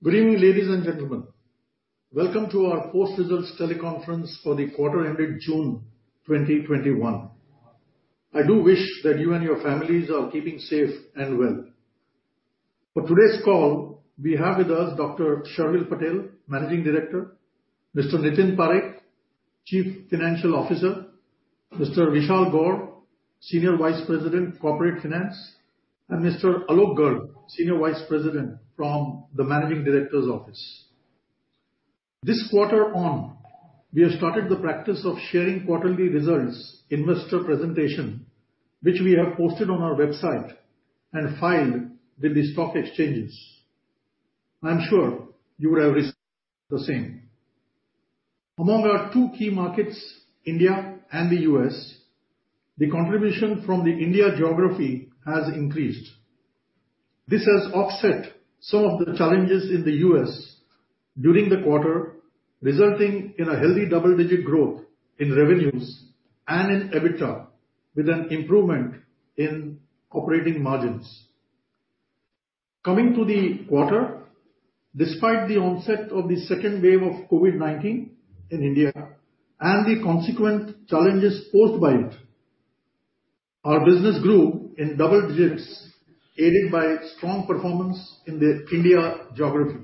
Good evening, ladies and gentlemen. Welcome to our post-results teleconference for the quarter ending June 2021. I do wish that you and your families are keeping safe and well. For today's call, we have with us Dr. Sharvil Patel, Managing Director, Mr. Nitin Parekh, Chief Financial Officer, Mr. Vishal Gor, Senior Vice President, Corporate Finance, and Mr. Alok Garg, Senior Vice President from the Managing Director's Office. This quarter on, we have started the practice of sharing quarterly results investor presentation, which we have posted on our website and filed with the stock exchanges. I'm sure you would have received the same. Among our two key markets, India and the U.S., the contribution from the India geography has increased. This has offset some of the challenges in the U.S. during the quarter, resulting in a healthy double-digit growth in revenues and in EBITDA, with an improvement in operating margins. Coming to the quarter, despite the onset of the second wave of COVID-19 in India and the consequent challenges posed by it, our business grew in double digits, aided by strong performance in the India geography.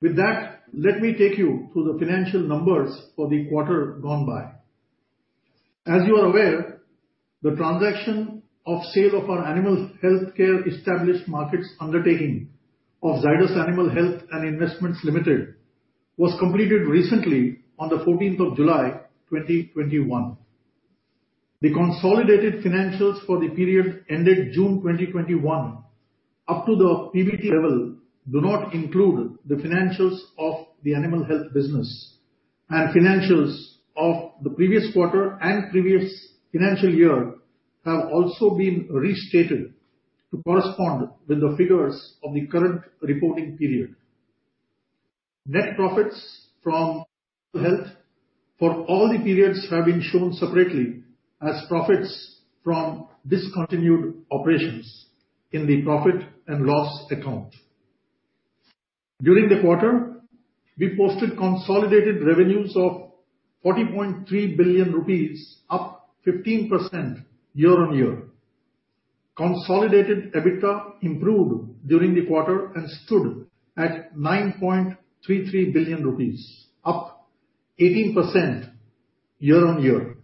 With that, let me take you through the financial numbers for the quarter gone by. As you are aware, the transaction of sale of our animal healthcare established markets undertaking of Zydus Animal Health and Investments Limited was completed recently on the 14th of July 2021. The consolidated financials for the period ending June 2021, up to the PBT level do not include the financials of the animal health business, and financials of the previous quarter and previous financial year have also been restated to correspond with the figures of the current reporting period. Net profits from animal health for all the periods have been shown separately as profits from discontinued operations in the profit and loss account. During the quarter, we posted consolidated revenues of ₹40.3 billion, up 15% year-on-year. Consolidated EBITDA improved during the quarter and stood at ₹9.33 billion, up 18% year-on-year.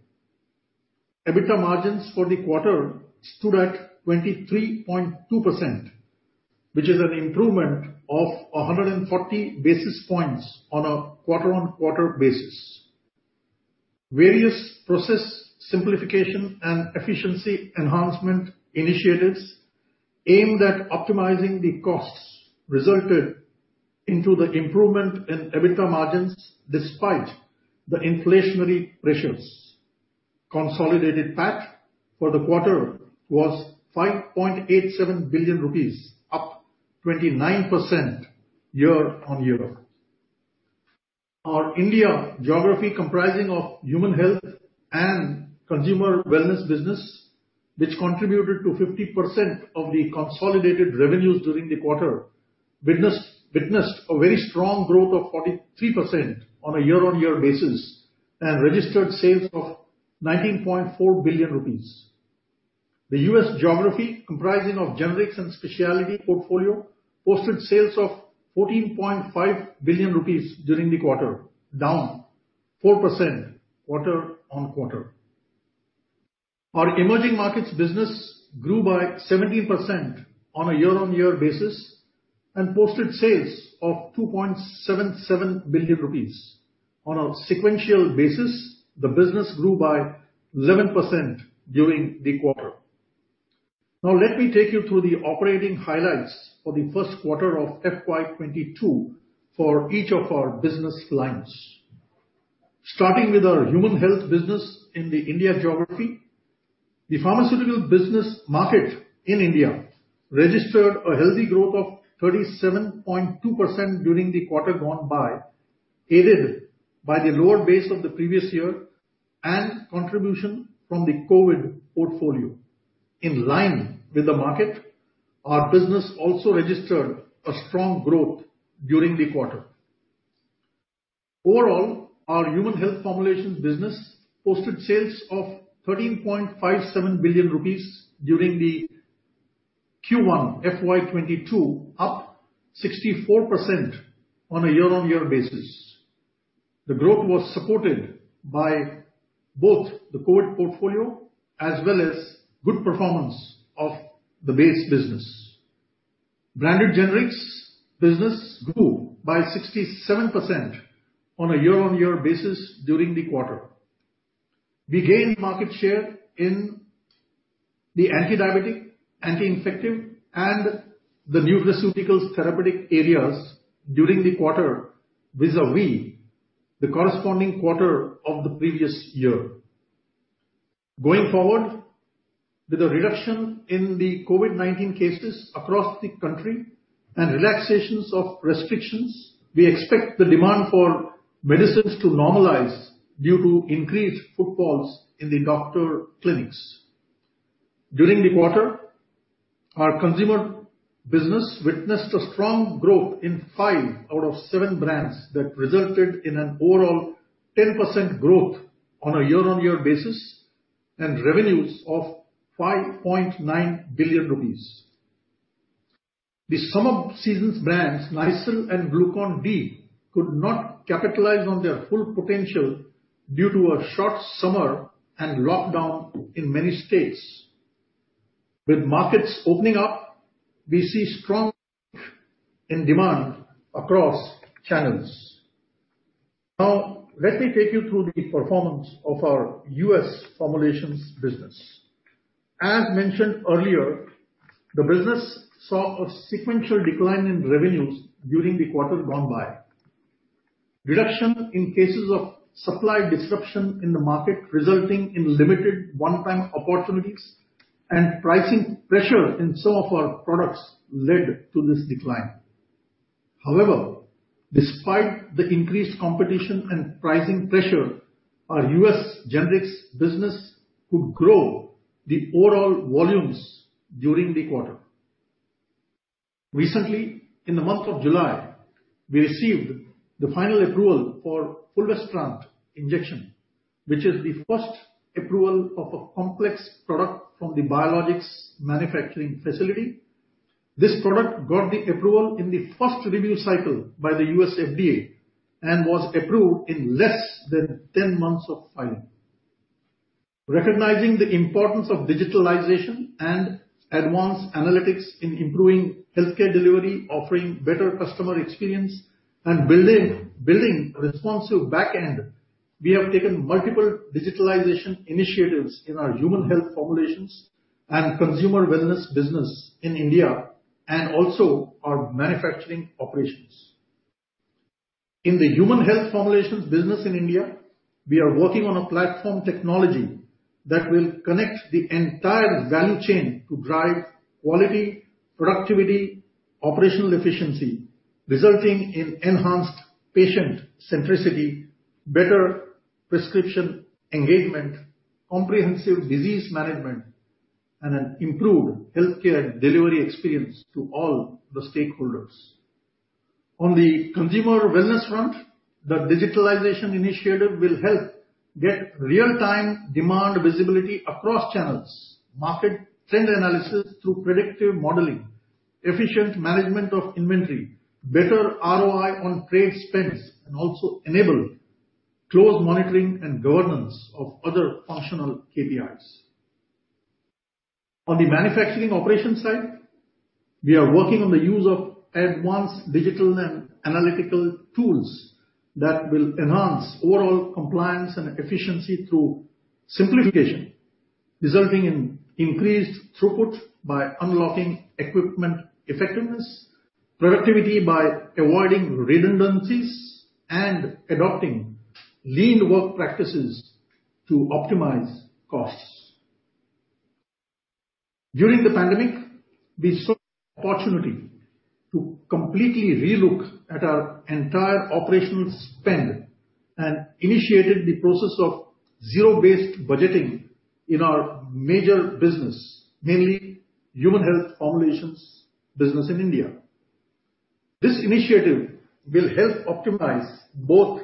EBITDA margins for the quarter stood at 23.2%, which is an improvement of 140 basis points on a quarter-on-quarter basis. Various process simplification and efficiency enhancement initiatives aimed at optimizing the costs resulted into the improvement in EBITDA margins despite the inflationary pressures. Consolidated PAT for the quarter was ₹5.87 billion, up 29% year-on-year. Our India geography comprising of human health and consumer wellness business, which contributed to 50% of the consolidated revenues during the quarter, witnessed a very strong growth of 43% on a year-on-year basis and registered sales of ₹19.4 billion. The U.S. geography comprising of generics and specialty portfolio posted sales of ₹14.5 billion during the quarter, down 4% quarter-on-quarter. Our emerging markets business grew by 17% on a year-on-year basis and posted sales of ₹2.77 billion. On a sequential basis, the business grew by 11% during the quarter. Now, let me take you through the operating highlights for the 1st quarter of FY 2022 for each of our business lines. Starting with our human health business in the India geography. The pharmaceutical business market in India registered a healthy growth of 37.2% during the quarter gone by, aided by the lower base of the previous year and contribution from the COVID portfolio. In line with the market, our business also registered a strong growth during the quarter. Overall, our human health formulations business posted sales of ₹13.57 billion during the Q1 FY 2022, up 64% on a year-on-year basis. The growth was supported by both the COVID portfolio as well as good performance of the base business. Branded generics business grew by 67% on a year-on-year basis during the quarter. We gained market share in the anti-diabetic, anti-infective, and the nutraceuticals therapeutic areas during the quarter vis-a-vis the corresponding quarter of the previous year. Going forward, with a reduction in the COVID-19 cases across the country and relaxations of restrictions, we expect the demand for medicines to normalize due to increased footfalls in the doctor clinics. During the quarter, our consumer business witnessed a strong growth in five out of seven brands that resulted in an overall 10% growth on a year-on-year basis and revenues of 5.9 billion rupees. The summer seasons brands, Nycil and Glucon-D, could not capitalize on their full potential due to a short summer and lockdown in many states. With markets opening up, we see strong in demand across channels. Now, let me take you through the performance of our U.S. formulations business. As mentioned earlier, the business saw a sequential decline in revenues during the quarter gone by. Reduction in cases of supply disruption in the market resulting in limited one-time opportunities and pricing pressure in some of our products led to this decline. However, despite the increased competition and pricing pressure, our U.S. generics business could grow the overall volumes during the quarter. Recently, in the month of July, we received the final approval for fulvestrant injection, which is the first approval of a complex product from the biologics manufacturing facility. This product got the approval in the first review cycle by the U.S. FDA and was approved in less than 10 months of filing. Recognizing the importance of digitalization and advanced analytics in improving healthcare delivery, offering better customer experience, and building responsive backend, we have taken multiple digitalization initiatives in our human health formulations and consumer wellness business in India, and also our manufacturing operations. In the human health formulations business in India, we are working on a platform technology that will connect the entire value chain to drive quality, productivity, operational efficiency, resulting in enhanced patient centricity, better prescription engagement, comprehensive disease management, and an improved healthcare delivery experience to all the stakeholders. On the consumer wellness front, the digitalization initiative will help get real-time demand visibility across channels, market trend analysis through predictive modeling, efficient management of inventory, better ROI on trade spends, and also enable close monitoring and governance of other functional KPIs. On the manufacturing operation side, we are working on the use of advanced digital and analytical tools that will enhance overall compliance and efficiency through simplification, resulting in increased throughput by unlocking equipment effectiveness, productivity by avoiding redundancies, and adopting lean work practices to optimize costs. During the pandemic, we saw opportunity to completely relook at our entire operations spend and initiated the process of zero-based budgeting in our major business, mainly human health formulations business in India. This initiative will help optimize both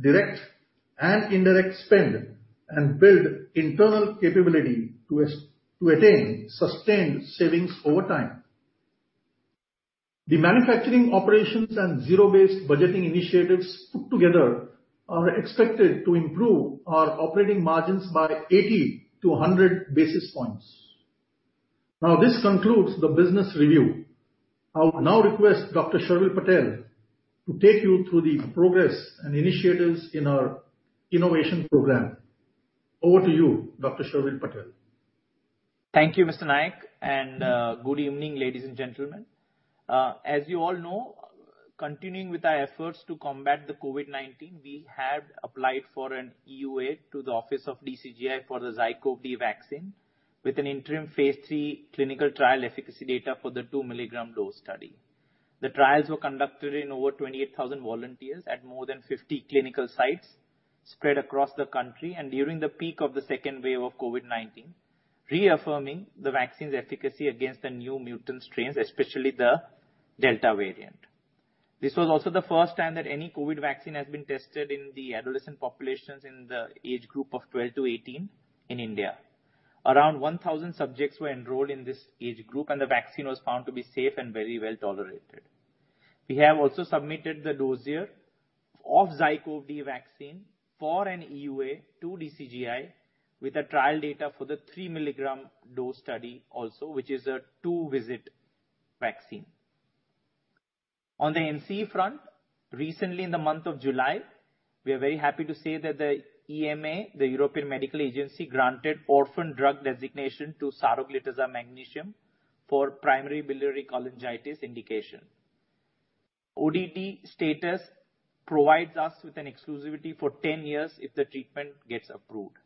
direct and indirect spend and build internal capability to attain sustained savings over time. The manufacturing operations and zero-based budgeting initiatives put together are expected to improve our operating margins by 80 to 100 basis points. This concludes the business review. I would now request Dr. Sharvil Patel to take you through the progress and initiatives in our innovation program. Over to you, Dr. Sharvil Patel. Thank you, Nayak sir, good evening, ladies and gentlemen. As you all know, continuing with our efforts to combat the COVID-19, we had applied for an EUA to the office of DCGI for the ZyCoV-D vaccine with an interim Phase III clinical trial efficacy data for the 2-milligram dose study. The trials were conducted in over 28,000 volunteers at more than 50 clinical sites spread across the country and during the peak of the second wave of COVID-19, reaffirming the vaccine's efficacy against the new mutant strains, especially the Delta variant. This was also the first time that any COVID vaccine has been tested in the adolescent populations in the age group of 12-18 in India. Around 1,000 subjects were enrolled in this age group, the vaccine was found to be safe and very well tolerated. We have also submitted the dossier of ZyCoV-D vaccine for an EUA to DCGI with a trial data for the 3-milligram dose study also, which is a two-visit vaccine. On the NCE front, recently in the month of July, we are very happy to say that the EMA, the European Medicines Agency, granted orphan drug designation to saroglitazar magnesium for primary biliary cholangitis indication. ODD status provides us with an exclusivity for 10 years if the treatment gets approved.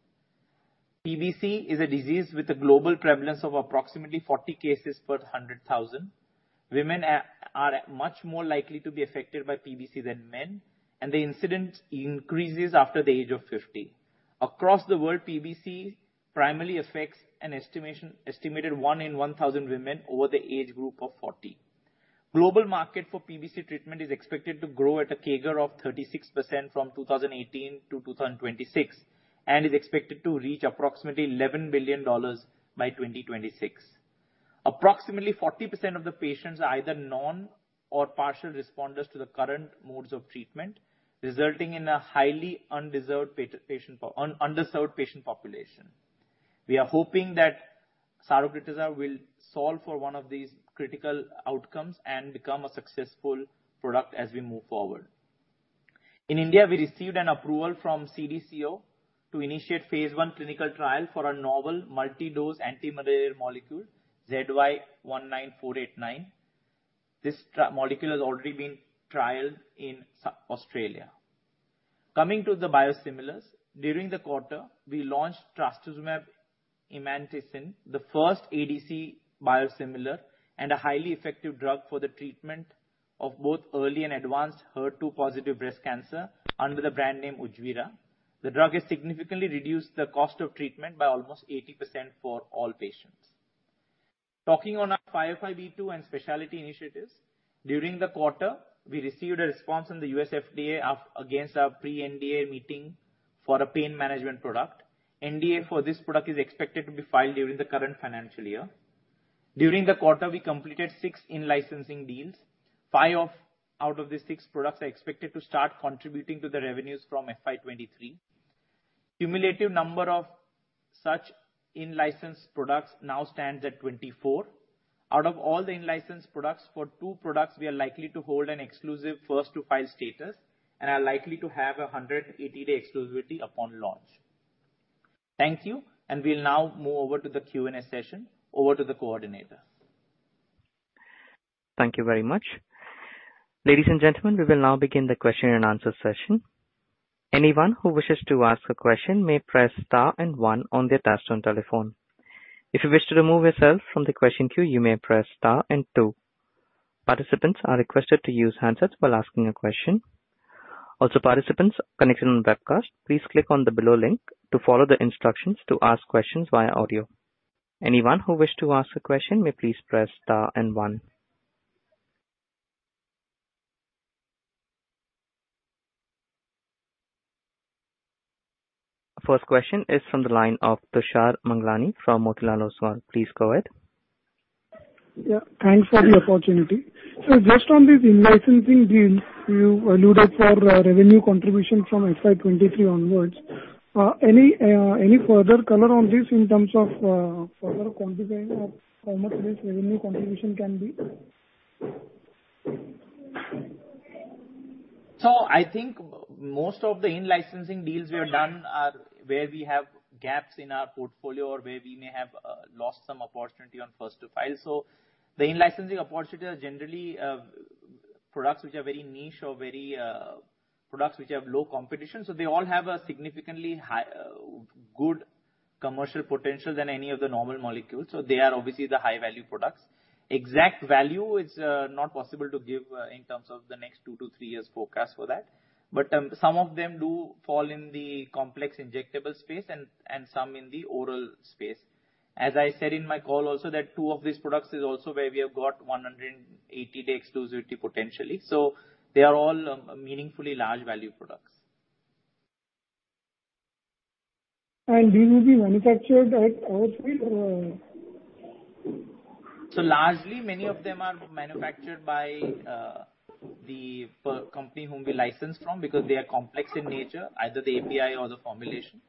PBC is a disease with a global prevalence of approximately 40 cases per 100,000. Women are much more likely to be affected by PBC than men, and the incidence increases after the age of 50. Across the world, PBC primarily affects an estimated 1 in 1,000 women over the age group of 40. Global market for PBC treatment is expected to grow at a CAGR of 36% from 2018 to 2026, and is expected to reach approximately $11 billion by 2026. Approximately 40% of the patients are either non or partial responders to the current modes of treatment, resulting in a highly underserved patient population. We are hoping that saroglitazar will solve for one of these critical outcomes and become a successful product as we move forward. In India, we received an approval from DCGI to initiate phase I clinical trial for a novel multi-dose anti-malarial molecule, ZY-19489. This molecule has already been trialed in Australia. Coming to the biosimilars. During the quarter, we launched trastuzumab emtansine, the first ADC biosimilar and a highly effective drug for the treatment of both early and advanced HER2 positive breast cancer under the brand name Ujvira. The drug has significantly reduced the cost of treatment by almost 80% for all patients. Talking on our NCE and specialty initiatives. During the quarter, we received a response in the US FDA against our pre-NDA meeting for a pain management product. NDA for this product is expected to be filed during the current financial year. During the quarter, we completed 6 in-licensing deals. 5 out of the 6 products are expected to start contributing to the revenues from FY 2023. Cumulative number of such in-licensed products now stands at 24. Out of all the in-licensed products, for 2 products, we are likely to hold an exclusive first to file status and are likely to have 180-day exclusivity upon launch. Thank you. We'll now move over to the Q&A session. Over to the coordinator. Thank you very much. Ladies and gentlemen, we will now begin the question-and-answer session. Anyone who wishes to ask a question may press star one on their touch-tone telephone. If you wish to remove yourself from the question queue, you may press star two. Participants are requested to use handsets while asking a question. Also, participants connected on webcast, please click on the below link to follow the instructions to ask questions via audio. Anyone who wishes to ask a question may please press star 1. First question is from the line of Tushar Manudhane from Motilal Oswal. Please go ahead. Yeah, thanks for the opportunity. Just on these in-licensing deals you alluded for revenue contribution from FY 2023 onwards. Any further color on this in terms of further quantifying of how much this revenue contribution can be? I think most of the in-licensing deals we have done are where we have gaps in our portfolio or where we may have lost some opportunity on first to file. The in-licensing opportunities are generally products which are very niche or products which have low competition. They all have a significantly good commercial potential than any of the normal molecules. They are obviously the high-value products. Exact value, it's not possible to give in terms of the next two to three years forecast for that. But some of them do fall in the complex injectable space and some in the oral space. As I said in my call also that two of these products is also where we have got 180-day exclusivity potentially. They are all meaningfully large value products. These will be manufactured at our Alidac or Largely, many of them are manufactured by the company whom we license from because they are complex in nature, either the API or the formulation.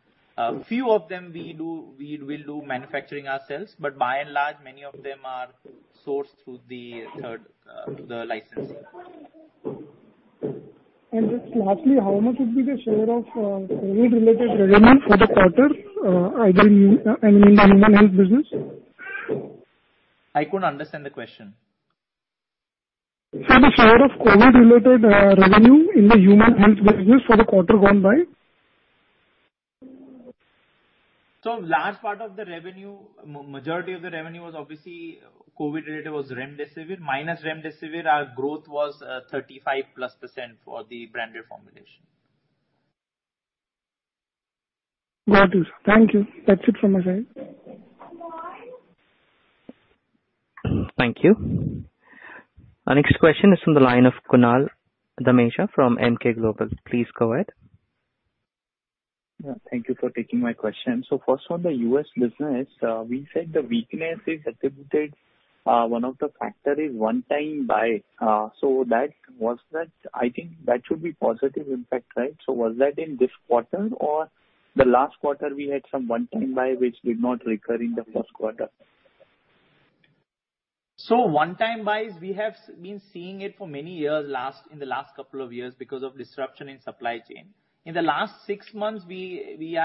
A few of them, we will do manufacturing ourselves, but by and large, many of them are sourced through the licensing. Just lastly, how much would be the share of COVID-related revenue for the quarter, I mean, in the human health business? I couldn't understand the question. Sir, the share of COVID-related revenue in the human health business for the quarter gone by. Large part of the revenue, majority of the revenue was obviously COVID-related, was remdesivir. Minus remdesivir, our growth was 35-plus % for the branded formulation. Got it. Thank you. That's it from my side. Thank you. Our next question is from the line of Kunal Dhamesha from Emkay Global. Please go ahead. Yeah, thank you for taking my question. First on the U.S. business, we said the weakness is attributed, one of the factors is one-time buy. I think that should be positive impact, right? Was that in this quarter or the last quarter we had some one-time buy which did not recur in the first quarter? One-time buys, we have been seeing it for many years in the last couple of years because of disruption in supply chain. In the last six months, we've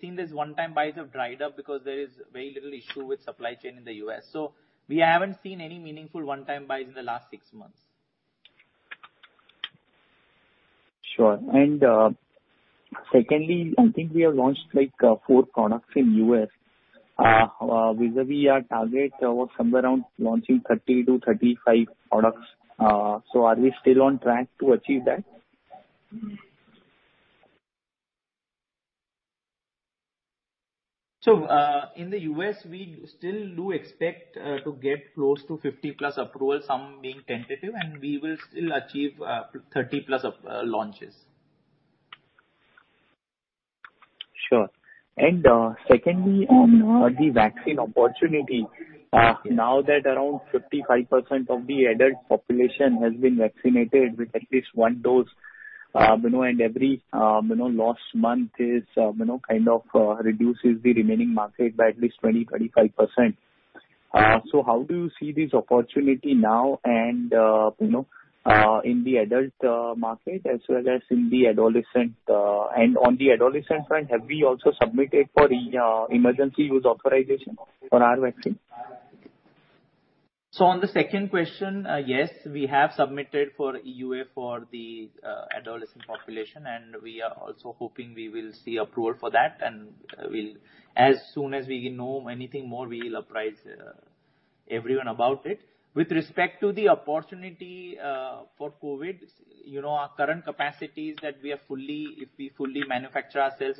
seen these one-time buys have dried up because there is very little issue with supply chain in the U.S. We haven't seen any meaningful one-time buys in the last six months. Sure. Secondly, I think we have launched four products in U.S. vis-a-vis our target was somewhere around launching 30 to 35 products. Are we still on track to achieve that? In the U.S., we still do expect to get close to 50+ approvals, some being tentative, and we will still achieve 30+ launches. Sure. Secondly, on the vaccine opportunity, now that around 55% of the adult population has been vaccinated with at least one dose, and every last month reduces the remaining market by at least 20%, 35%. How do you see this opportunity now and in the adult market, as well as in the adolescent? On the adolescent front, have we also submitted for emergency use authorization for our vaccine? On the second question, yes, we have submitted for EUA for the adolescent population, and we are also hoping we will see approval for that. As soon as we know anything more, we will apprise everyone about it. With respect to the opportunity for COVID, our current capacity is that if we fully manufacture our sales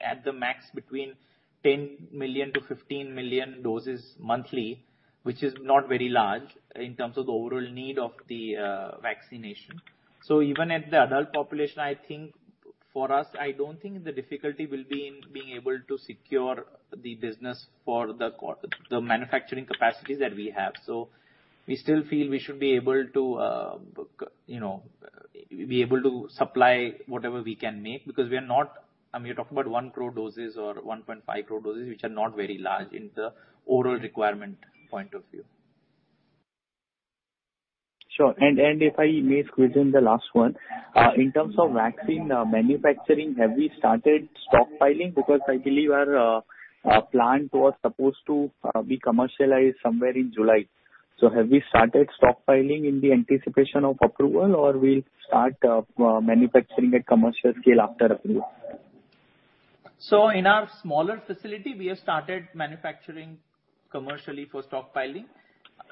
at the max between 10 to 15 million doses monthly, which is not very large in terms of the overall need of the vaccination. Even at the adult population, I think for us, I don't think the difficulty will be in being able to secure the business for the manufacturing capacities that we have. We still feel we should be able to supply whatever we can make because we are talking about 1 crore doses or 1.5 crore doses, which are not very large in the overall requirement point of view. Sure. If I may squeeze in the last one. In terms of vaccine manufacturing, have we started stockpiling? I believe our plant was supposed to be commercialized somewhere in July. Have we started stockpiling in the anticipation of approval, or we'll start manufacturing at commercial scale after approval? In our smaller facility, we have started manufacturing commercially for stockpiling.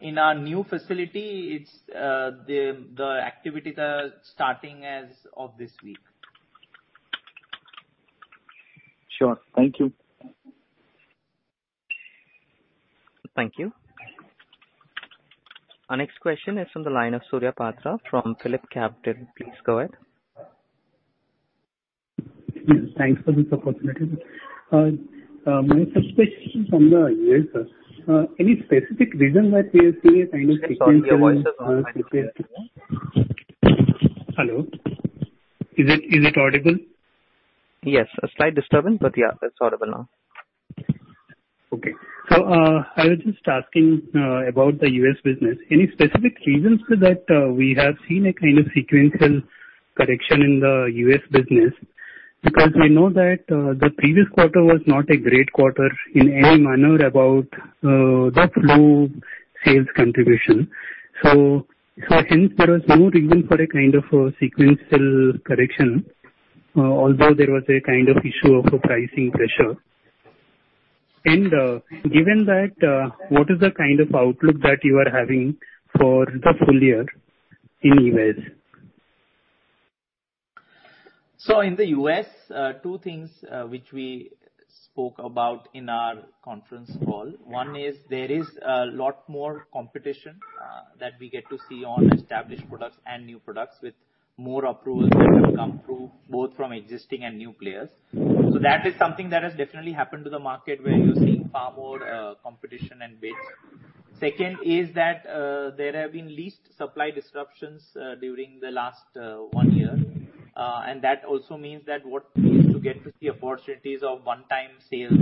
In our new facility, the activities are starting as of this week. Sure. Thank you. Thank you. Our next question is from the line of Surya Patra from PhillipCapital. Please go ahead. Thanks for this opportunity. My first question from the U.S. Any specific reason why we are seeing a kind of sequential- Sorry, your voice is not quite clear. Hello. Is it audible? Yes, a slight disturbance, but yeah, it's audible now. Okay. I was just asking about the U.S. business. Any specific reasons that we have seen a kind of sequential correction in the U.S. business? Because we know that the previous quarter was not a great quarter in any manner about the flu sales contribution. Hence there was no reason for a kind of sequential correction, although there was a kind of issue of a pricing pressure. Given that, what is the kind of outlook that you are having for the full year in U.S.? In the U.S., two things which we spoke about in our conference call. One is there is a lot more competition that we get to see on established products and new products with more approvals that have come through, both from existing and new players. That is something that has definitely happened to the market, where you're seeing far more competition and bids. Second is that there have been least supply disruptions during the last one year. That also means that what we used to get with the opportunities of one-time sales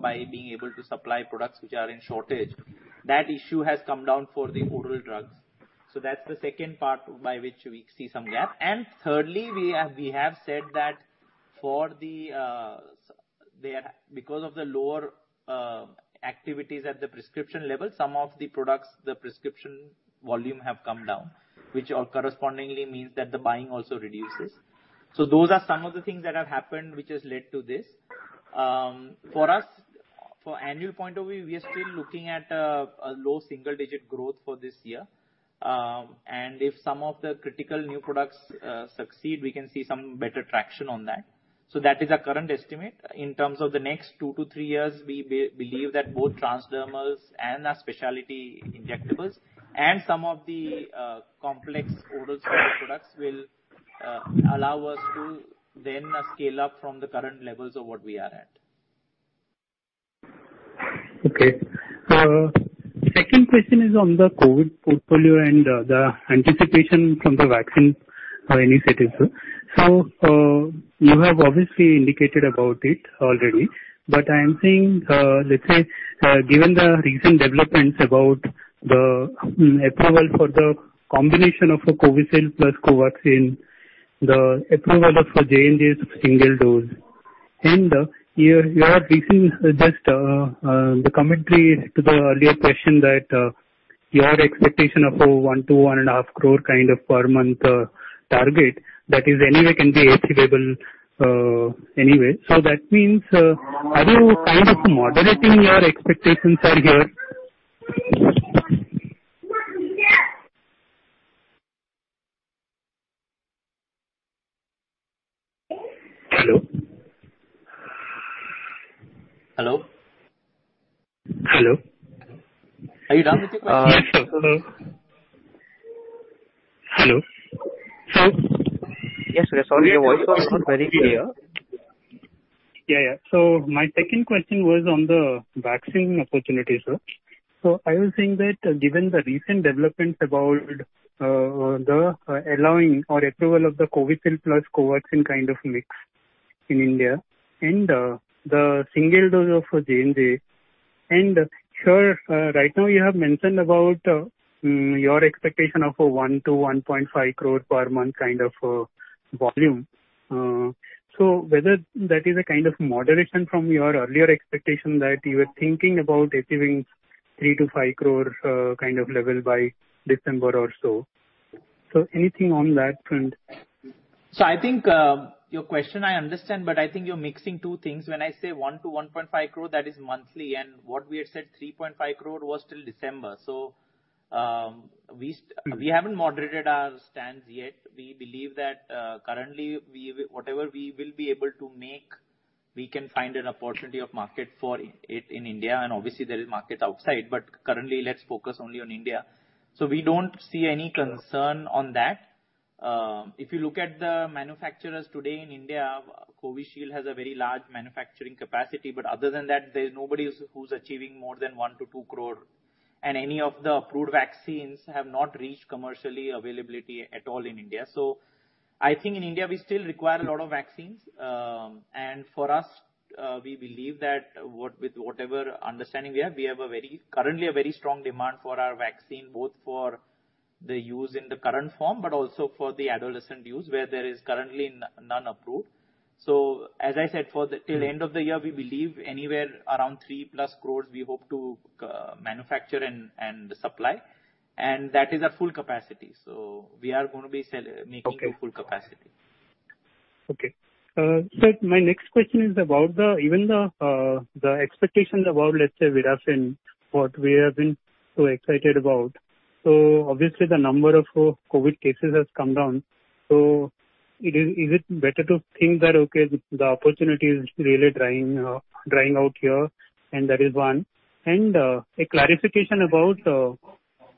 by being able to supply products which are in shortage, that issue has come down for the oral drugs. That's the second part by which we see some gap. Thirdly, we have said that because of the lower activities at the prescription level, some of the products, the prescription volume have come down, which correspondingly means that the buying also reduces. Those are some of the things that have happened, which has led to this. For us, for annual point of view, we are still looking at a low single-digit growth for this year. If some of the critical new products succeed, we can see some better traction on that. That is our current estimate. In terms of the next two to three years, we believe that both transdermals and our specialty injectables and some of the complex oral strip products will allow us to then scale up from the current levels of what we are at. Okay. Second question is on the COVID portfolio and the anticipation from the vaccine initiatives. You have obviously indicated about it already, but I'm saying, let's say, given the recent developments about the approval for the combination of the COVISHIELD plus COVAXIN, the approval of the J&J's single dose, and your recent commentary to the earlier question that your expectation of 1 to 1.5 crore kind of per month target, that anyway can be achievable anyway. That means, are you kind of moderating your expectations here? Hello? Hello. Hello. Are you done with your question? Hello. Yes, Surya, sorry, your voice is not very clear. Yeah. My second question was on the vaccine opportunity, sir. I was saying that given the recent developments about the allowing or approval of the COVISHIELD plus COVAXIN kind of mix in India and the single dose of J&J. Sir, right now you have mentioned about your expectation of a 1-1.5 crore per month kind of volume. Whether that is a kind of moderation from your earlier expectation that you were thinking about achieving 3 to 5 crore kind of level by December or so. Anything on that front? I think your question, I understand, but I think you're mixing two things. When I say 1 crore-1.5 crore, that is monthly, and what we had said 3.5 crore was till December. We haven't moderated our stands yet. We believe that currently, whatever we will be able to make, we can find an opportunity of market for it in India, and obviously there is market outside, but currently let's focus only on India. We don't see any concern on that. If you look at the manufacturers today in India, COVISHIELD has a very large manufacturing capacity, but other than that, there's nobody who's achieving more than 1 crore-2 crore, and any of the approved vaccines have not reached commercial availability at all in India. I think in India, we still require a lot of vaccines. For us, we believe that with whatever understanding we have, we have currently a very strong demand for our vaccine, both for the use in the current form, but also for the adolescent use, where there is currently none approved. As I said, till end of the year, we believe anywhere around 3+ crores we hope to manufacture and supply. That is at full capacity. We are going to be making full capacity. Okay. Sir, my next question is about even the expectations about, let's say, Virafin, what we have been so excited about. Obviously, the number of COVID cases has come down. Is it better to think that, okay, the opportunity is really drying out here, and that is one. A clarification about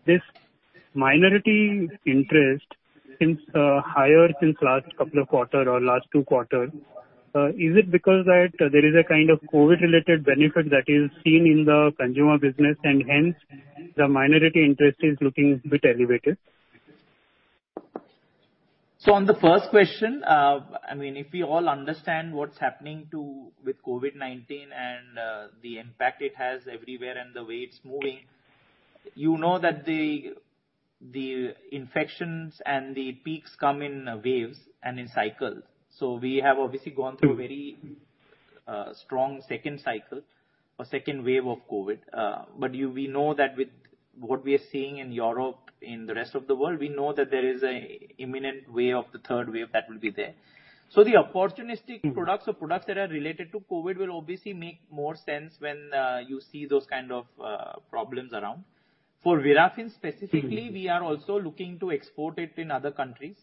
this minority interest since higher since last couple of quarter or last two quarters. Is it because that there is a kind of COVID-related benefit that is seen in the consumer business, and hence the minority interest is looking a bit elevated? On the first question, if we all understand what's happening with COVID-19 and the impact it has everywhere and the way it's moving, you know that the infections and the peaks come in waves and in cycles. We have obviously gone through a very strong second cycle or second wave of COVID. We know that with what we are seeing in Europe, in the rest of the world, we know that there is an imminent wave of the third wave that will be there. The opportunistic products or products that are related to COVID will obviously make more sense when you see those kind of problems around. For Virafin specifically, we are also looking to export it in other countries.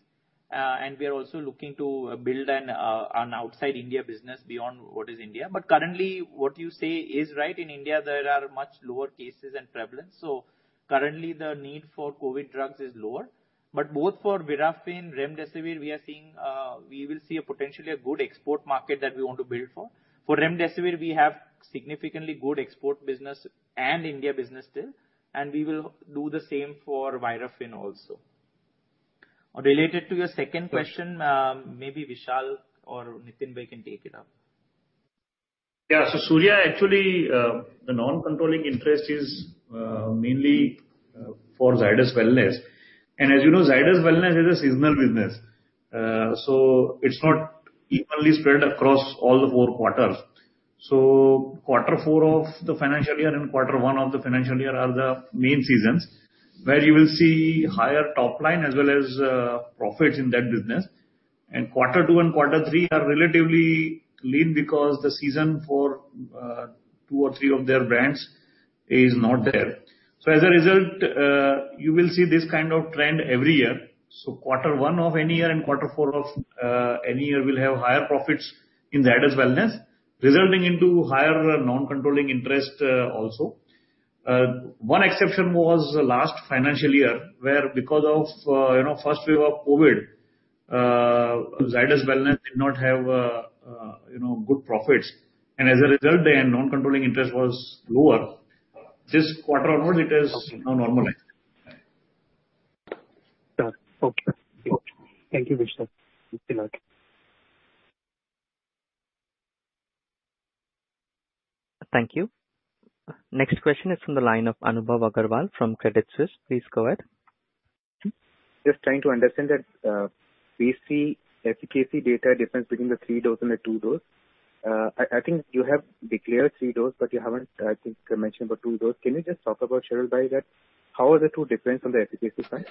We are also looking to build an outside India business beyond what is India. Currently, what you say is right. In India, there are much lower cases and prevalence. Currently, the need for COVID drugs is lower. Both for Virafin, Remdesivir, we will see a potentially a good export market that we want to build for. For Remdesivir, we have significantly good export business and India business still. We will do the same for Virafin also. Related to your second question, maybe Vishal or Nitin can take it up. Yeah. Surya, actually, the non-controlling interest is mainly for Zydus Wellness. As you know, Zydus Wellness is a seasonal business. It's not equally spread across all the four quarters. Quarter four of the financial year and quarter one of the financial year are the main seasons where you will see higher top line as well as profits in that business. Quarter two and quarter three are relatively lean because the season for two or three of their brands is not there. As a result, you will see this kind of trend every year. Quarter one of any year and quarter four of any year will have higher profits in Zydus Wellness, resulting into higher non-controlling interest also. One exception was last financial year, where because of first wave of COVID, Zydus Wellness did not have good profits. As a result, their non-controlling interest was lower. This quarter onwards it has now normalized. Sure. Okay. Thank you, Vishal. Good luck. Thank you. Next question is from the line of Anubhav Aggarwal from Credit Suisse. Please go ahead. Just trying to understand that PBC efficacy data difference between the 3 dose and the 2 dose. I think you have declared 3 dose, but you haven't, I think, mentioned about 2 dose. Can you just talk about, Sharvil Bhai, how are the two different from the efficacy side?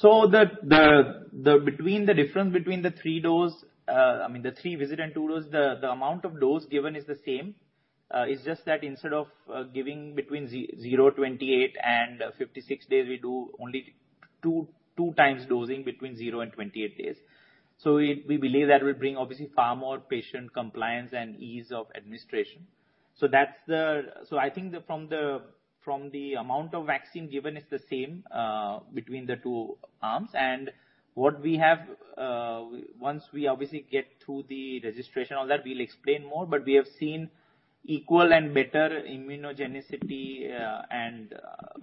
The difference between the 3 dose, I mean, the 3 visit and 2 dose, the amount of dose given is the same. It's just that instead of giving between 0, 28 and 56 days, we do only 2 times dosing between 0 and 28 days. We believe that will bring obviously far more patient compliance and ease of administration. I think from the amount of vaccine given is the same between the 2 arms. Once we obviously get through the registration, all that, we'll explain more. We have seen equal and better immunogenicity and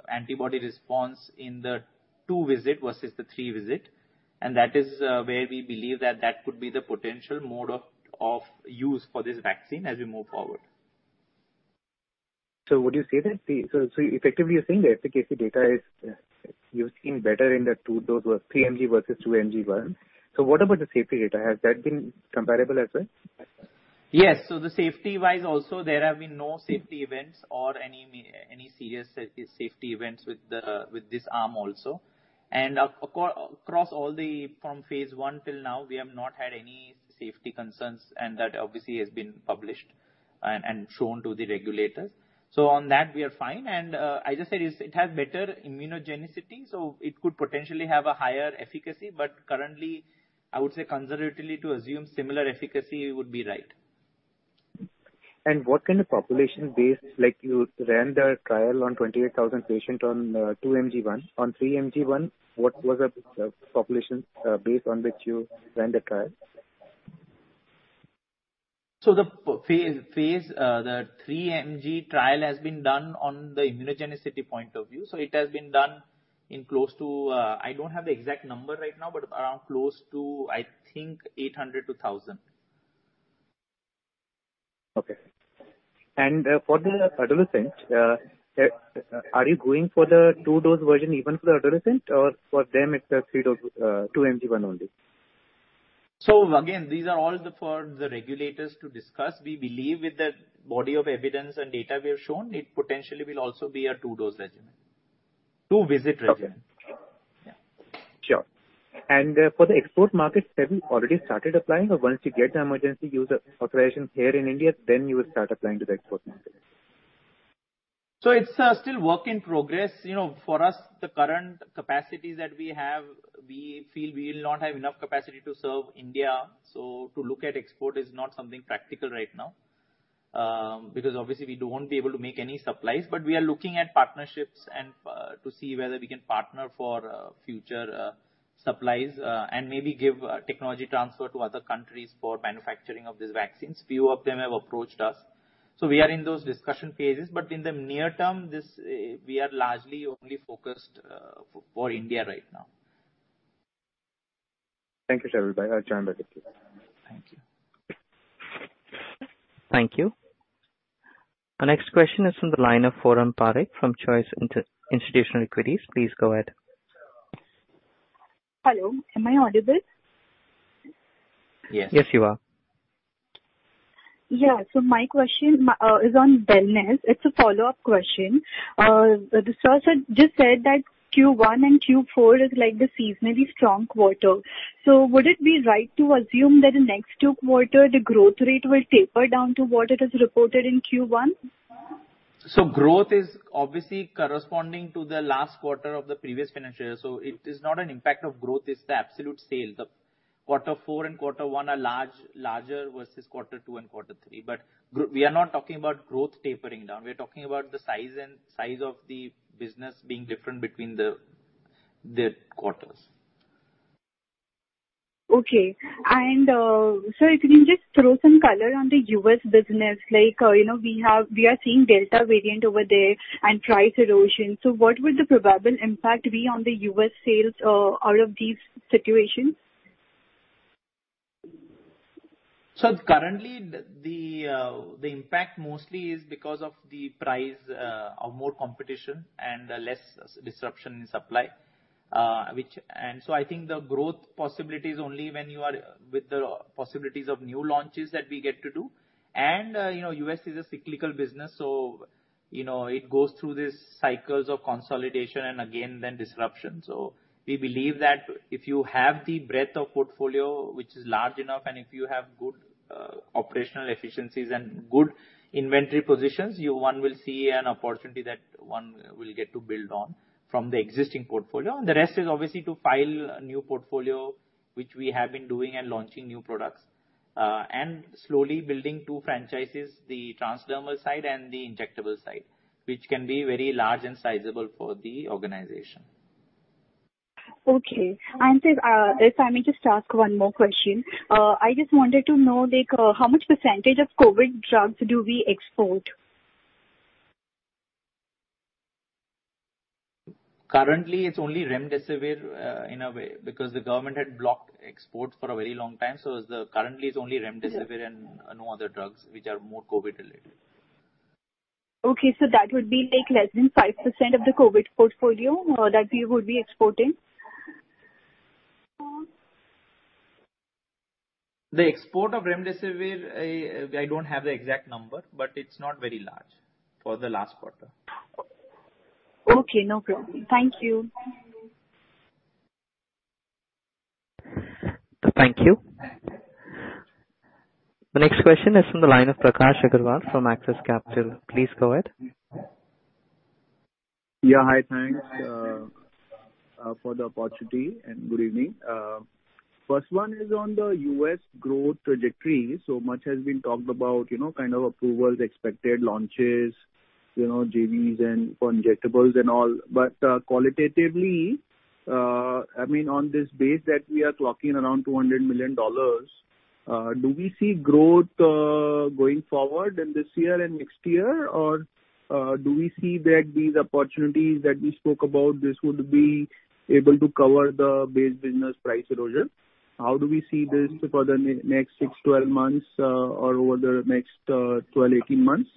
antibody response in the 2 visit versus the 3 visit. That is where we believe that that could be the potential mode of use for this vaccine as we move forward. Would you say that, effectively you're saying the efficacy data you've seen better in the 2 dose was 3 mg versus 2 mg 1? What about the safety data? Has that been comparable as well? Yes. Safety-wise also, there have been no safety events or any serious safety events with this arm also. Across from phase I till now, we have not had any safety concerns and that obviously has been published and shown to the regulators. On that we are fine and I just said it has better immunogenicity, so it could potentially have a higher efficacy. Currently, I would say conservatively to assume similar efficacy would be right. What kind of population base, like you ran the trial on 28,000 patients on 2 mg one. On 3 mg one, what was the population base on which you ran the trial? The 3 mg trial has been done on the immunogenicity point of view. It has been done in close to, I don't have the exact number right now, but around close to I think 800 to 1,000. Okay. For the adolescent, are you going for the 2-dose version even for the adolescent or for them it's a 2 mg one only? Again, these are all for the regulators to discuss. We believe with the body of evidence and data we have shown, it potentially will also be a 2-dose regimen. 2 visit regimen. Okay. Yeah. Sure. For the export market, have you already started applying or once you get the emergency use authorization here in India then you will start applying to the export market? It's still work in progress. For us, the current capacities that we have, we feel we will not have enough capacity to serve India. To look at export is not something practical right now. Because obviously we won't be able to make any supplies, but we are looking at partnerships and to see whether we can partner for future supplies. Maybe give technology transfer to other countries for manufacturing of these vaccines. Few of them have approached us. We are in those discussion phases. In the near term, we are largely only focused for India right now. Thank you, Sharvil. I join by the team. Thank you. Thank you. Our next question is from the line of Forum Parekh from Choice Institutional Equities. Please go ahead. Hello, am I audible? Yes. Yes, you are. Yeah. My question is on Wellness. It's a follow-up question. The source had just said that Q1 and Q4 is like the seasonally strong quarter. Would it be right to assume that in next two quarters the growth rate will taper down to what it is reported in Q1? Growth is obviously corresponding to the last quarter of the previous financial year. It is not an impact of growth, it's the absolute sale. The quarter four and quarter one are larger versus quarter two and quarter three. We are not talking about growth tapering down. We're talking about the size of the business being different between the quarters. Okay. Sir, if you can just throw some color on the U.S. business, like we are seeing Delta variant over there and price erosion. What would the probable impact be on the U.S. sales out of these situations? Currently the impact mostly is because of the price, more competition and less disruption in supply. I think the growth possibility is only when you are with the possibilities of new launches that we get to do. U.S. is a cyclical business, so it goes through these cycles of consolidation and again then disruption. We believe that if you have the breadth of portfolio which is large enough, and if you have good operational efficiencies and good inventory positions, one will see an opportunity that one will get to build on from the existing portfolio. The rest is obviously to file a new portfolio, which we have been doing and launching new products. Slowly building two franchises, the transdermal side and the injectable side, which can be very large and sizable for the organization. Okay. Sir, if I may just ask one more question. I just wanted to know, how much percentage of COVID drugs do we export? Currently, it's only remdesivir in a way, because the government had blocked exports for a very long time. Currently it's only remdesivir and no other drugs which are more COVID related. Okay, so that would be less than 5% of the COVID portfolio that you would be exporting? The export of remdesivir, I don't have the exact number, but it's not very large for the last quarter. Okay, no problem. Thank you. Thank you. The next question is from the line of Prakash Agarwal from Axis Capital. Please go ahead. Yeah. Hi. Thanks for the opportunity, and good evening. First one is on the U.S. growth trajectory. Much has been talked about, kind of approvals, expected launches, JVs and for injectables and all. Qualitatively, on this base that we are clocking around $200 million, do we see growth going forward in this year and next year? Or do we see that these opportunities that we spoke about, this would be able to cover the base business price erosion? How do we see this for the next six to 12 months or over the next 12-18 months?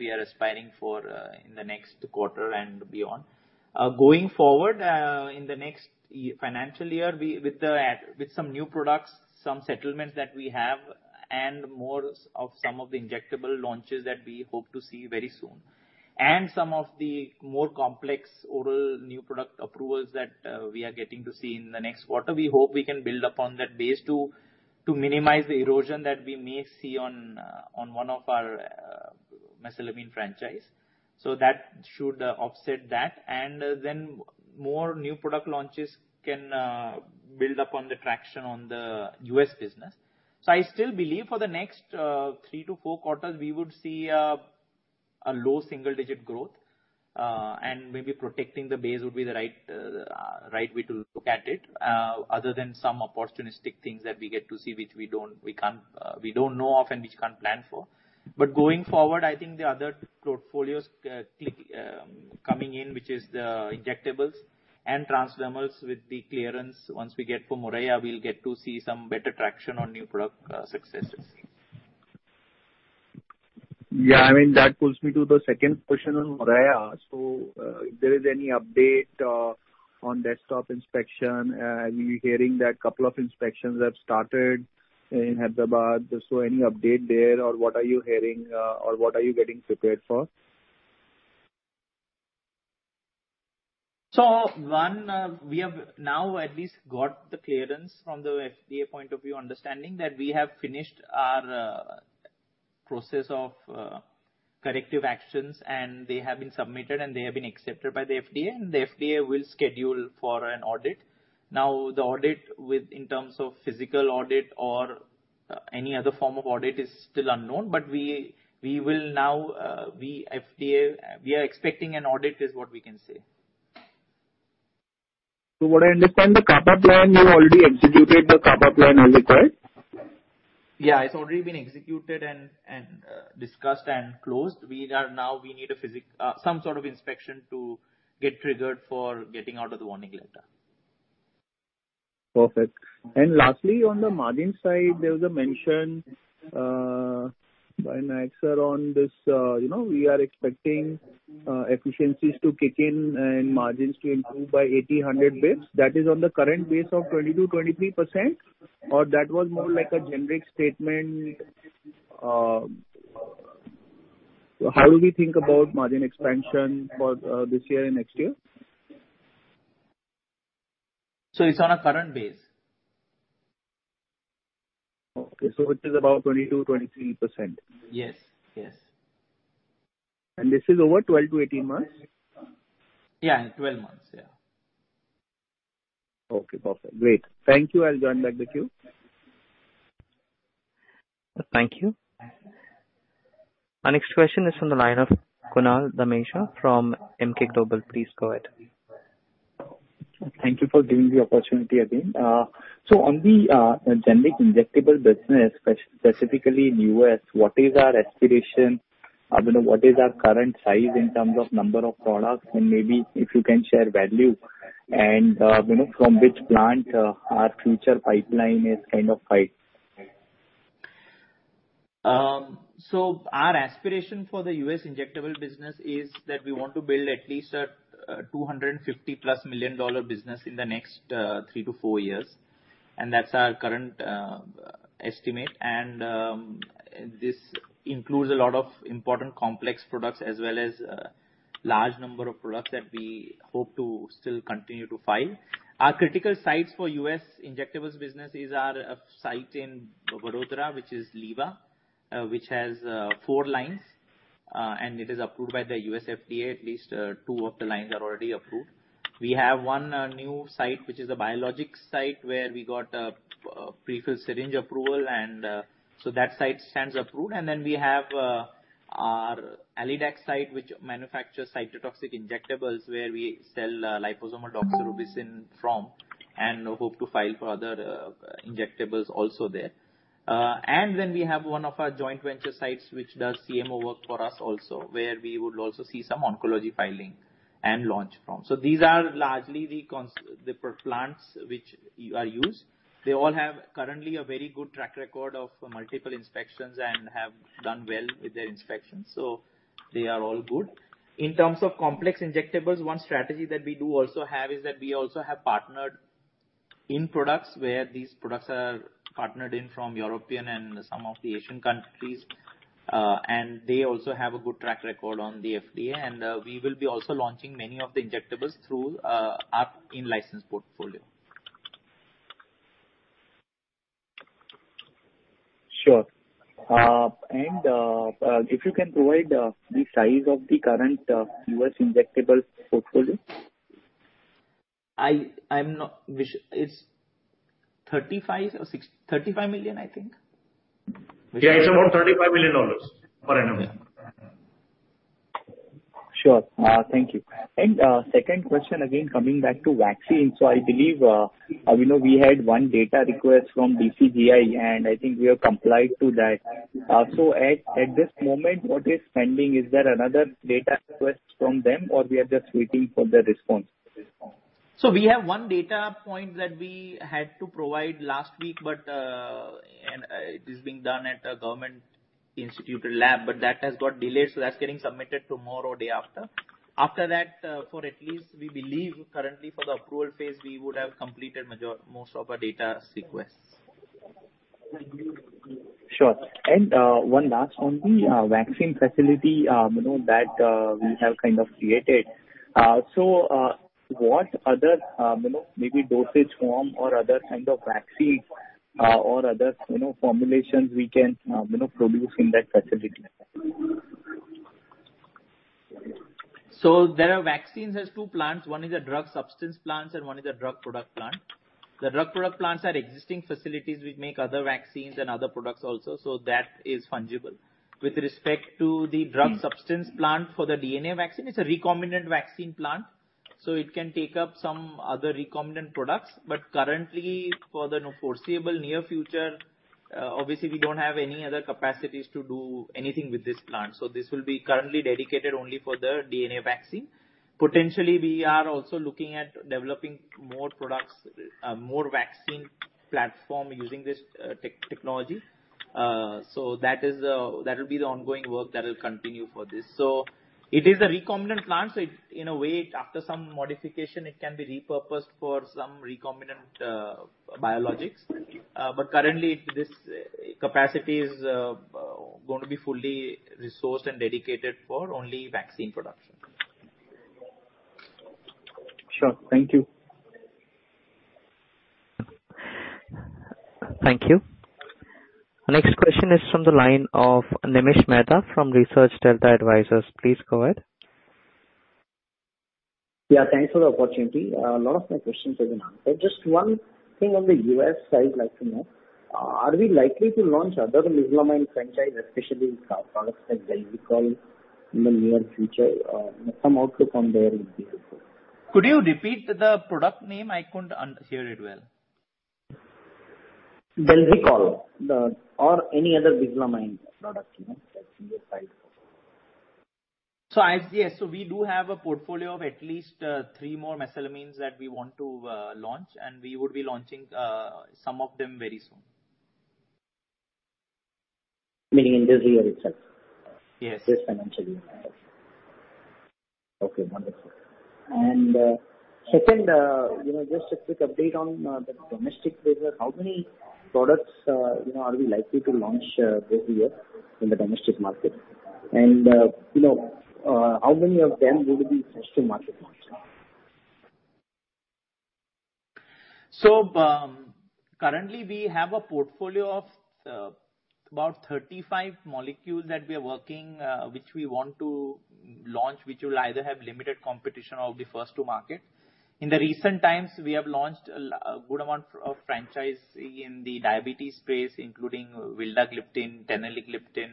We are aspiring for in the next quarter and beyond. Going forward, in the next financial year, with some new products, some settlements that we have, and more of some of the injectable launches that we hope to see very soon, and some of the more complex oral new product approvals that we are getting to see in the next quarter, we hope we can build upon that base to minimize the erosion that we may see on one of our mesalazine franchise. That should offset that. More new product launches can build upon the traction on the U.S. business. I still believe for the next three to four quarters, we would see a low single-digit growth. Maybe protecting the base would be the right way to look at it, other than some opportunistic things that we get to see, which we don't know of and which we can't plan for. Going forward, I think the other portfolios coming in, which is the injectables and transdermals with the clearance, once we get from Moraiya, we'll get to see some better traction on new product successes. Yeah. That pulls me to the second question on Moraiya. If there is any update on desktop inspection? We're hearing that couple of inspections have started in Hyderabad. Any update there or what are you hearing or what are you getting prepared for? One, we have now at least got the clearance from the FDA point of view, understanding that we have finished our process of corrective actions, and they have been submitted, and they have been accepted by the FDA, and the FDA will schedule for an audit. The audit in terms of physical audit or any other form of audit is still unknown. We are expecting an audit, is what we can say. What I understand, the CAPA plan, you already executed the CAPA plan as required. Yeah, it's already been executed and discussed and closed. Now we need some sort of inspection to get triggered for getting out of the warning letter. Perfect. Lastly, on the margin side, there was a mention by Nayak sir on this, we are expecting efficiencies to kick in and margins to improve by 80, 100 base. That is on the current base of 22% to 23% or that was more like a generic statement. How do we think about margin expansion for this year and next year? It's on a current base. Okay. Which is about 22%, 23%. Yes. This is over 12-18 months? Yeah, 12 months. Okay, perfect. Great. Thank you. I'll join back the queue. Thank you. Our next question is from the line of Kunal Dhamesha from Emkay Global. Please go ahead. Thank you for giving the opportunity again. On the generic injectable business, specifically in U.S., what is our aspiration? What is our current size in terms of number of products? Maybe if you can share value and from which plant our future pipeline is kind of filed. Our aspiration for the U.S. injectable business is that we want to build at least a $250-plus million business in the next three to four years, and that's our current estimate. This includes a lot of important complex products as well as large number of products that we hope to still continue to file. Our critical sites for U.S. injectables business is our site in Vadodara, which is Liva, which has 4 lines, and it is approved by the U.S. FDA. At least two of the lines are already approved. We have 1 new site, which is a biologics site, where we got a prefilled syringe approval. That site stands approved. Then we have our Alidac site, which manufactures cytotoxic injectables where we sell liposomal doxorubicin from, and hope to file for other injectables also there. We have one of our joint venture sites which does CMO work for us also, where we would also see some oncology filing and launch from. These are largely the plants which are used. They all have currently a very good track record of multiple inspections and have done well with their inspections, so they are all good. In terms of complex injectables, one strategy that we do also have is that we also have partnered in products where these products are partnered in from European and some of the Asian countries. They also have a good track record on the FDA, and we will be also launching many of the injectables through our in-license portfolio. Sure. If you can provide the size of the current U.S. injectable portfolio. It's 35 million, I think. Yeah. It's around INR 35 million for 9M. Sure. Thank you. Second question, again, coming back to vaccines. I believe we had one data request from DCGI, and I think we have complied to that. At this moment, what is pending? Is there another data request from them or we are just waiting for the response? We have one data point that we had to provide last week, but it is being done at a government institute lab, but that has got delayed, so that's getting submitted tomorrow or day after. After that, for at least we believe currently for the approval phase, we would have completed most of our data requests. Sure. One last on the vaccine facility that we have kind of created. What other maybe dosage form or other kind of vaccines or other formulations we can produce in that facility? There are vaccines as two plants. One is a drug substance plant and one is a drug product plant. The drug product plants are existing facilities which make other vaccines and other products also. That is fungible. With respect to the drug substance plant for the DNA vaccine, it's a recombinant vaccine plant, so it can take up some other recombinant products. Currently, for the foreseeable near future, obviously we don't have any other capacities to do anything with this plant. This will be currently dedicated only for the DNA vaccine. Potentially, we are also looking at developing more products, more vaccine platform using this technology. That will be the ongoing work that will continue for this. It is a recombinant plant, so in a way, after some modification, it can be repurposed for some recombinant biologics. Currently, this capacity is going to be fully resourced and dedicated for only vaccine production. Sure. Thank you. Thank you. Next question is from the line of Nimish Mehta from ResearchDelta Advisors. Please go ahead. Yeah, thanks for the opportunity. A lot of my questions have been answered. Just 1 thing on the U.S. side I'd like to know. Are we likely to launch other mesalamine franchise, especially products like Zelnorm in the near future? Some outlook on there would be helpful. Could you repeat the product name? I couldn't hear it well. Zelnorm or any other mesalamine product. We do have a portfolio of at least three more mesalamines that we want to launch, and we would be launching some of them very soon. Meaning in this year itself? Yes. This financial year. Okay, wonderful. Second, just a quick update on the domestic business. How many products are we likely to launch this year in the domestic market? How many of them would be first to market launch? Currently we have a portfolio of about 35 molecules that we are working, which we want to launch, which will either have limited competition or be first to market. In the recent times, we have launched a good amount of franchise in the diabetes space, including vildagliptin, teneligliptin,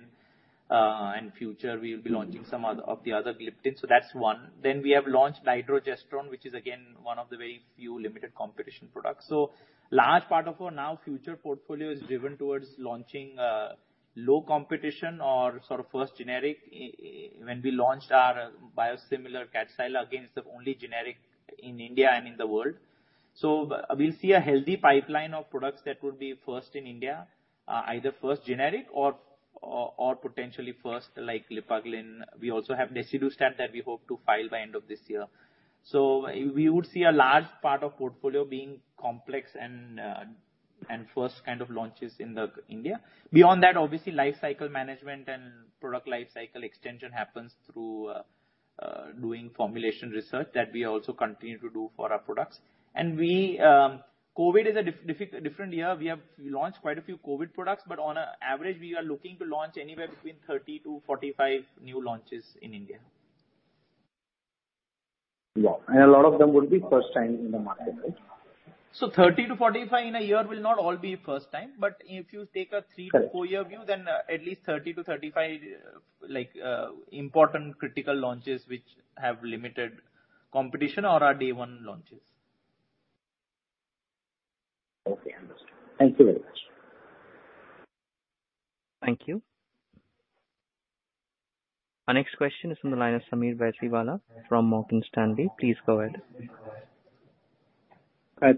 and future we will be launching some of the other gliptins. That's one. We have launched Nitrogestron, which is again, 1 of the very few limited competition products. Large part of our now future portfolio is driven towards launching low competition or sort of first generic. When we launched our biosimilar Kadcyla, again, it's the only generic in India and in the world. We'll see a healthy pipeline of products that would be first in India, either first generic or potentially first like Lipaglyn. We also have desidustat that we hope to file by end of this year. We would see a large part of portfolio being complex and first kind of launches in India. Beyond that, obviously life cycle management and product life cycle extension happens through doing formulation research that we also continue to do for our products. COVID is a different year. We have launched quite a few COVID products, but on average, we are looking to launch anywhere between 30 to 45 new launches in India. Yeah. A lot of them would be first time in the market, right? 30 to 45 in a year will not all be first time, but if you take a three to four year view, then at least 30 to 35 important critical launches which have limited competition are our day 1 launches. Okay, understood. Thank you very much. Thank you. Our next question is from the line of Sameer Baisiwala from Morgan Stanley. Please go ahead.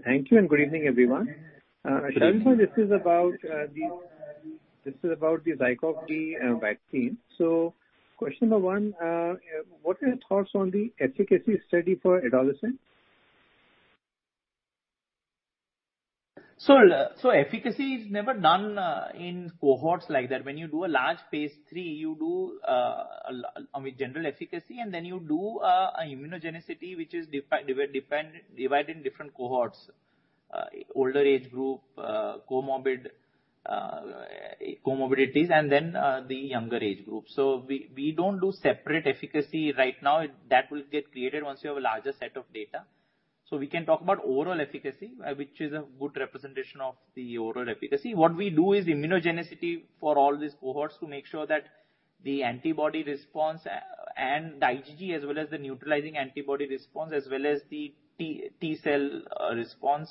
Thank you and good evening, everyone. Sharvil, this is about the ZyCoV-D vaccine. Question number 1, what are your thoughts on the efficacy study for adolescents? Efficacy is never done in cohorts like that. When you do a large phase III, you do a general efficacy, and then you do a immunogenicity which is divided in different cohorts. Older age group, comorbidities, and then the younger age group. We don't do separate efficacy right now. That will get created once you have a larger set of data. We can talk about overall efficacy, which is a good representation of the overall efficacy. What we do is immunogenicity for all these cohorts to make sure that the antibody response and the IgG as well as the neutralizing antibody response as well as the T cell response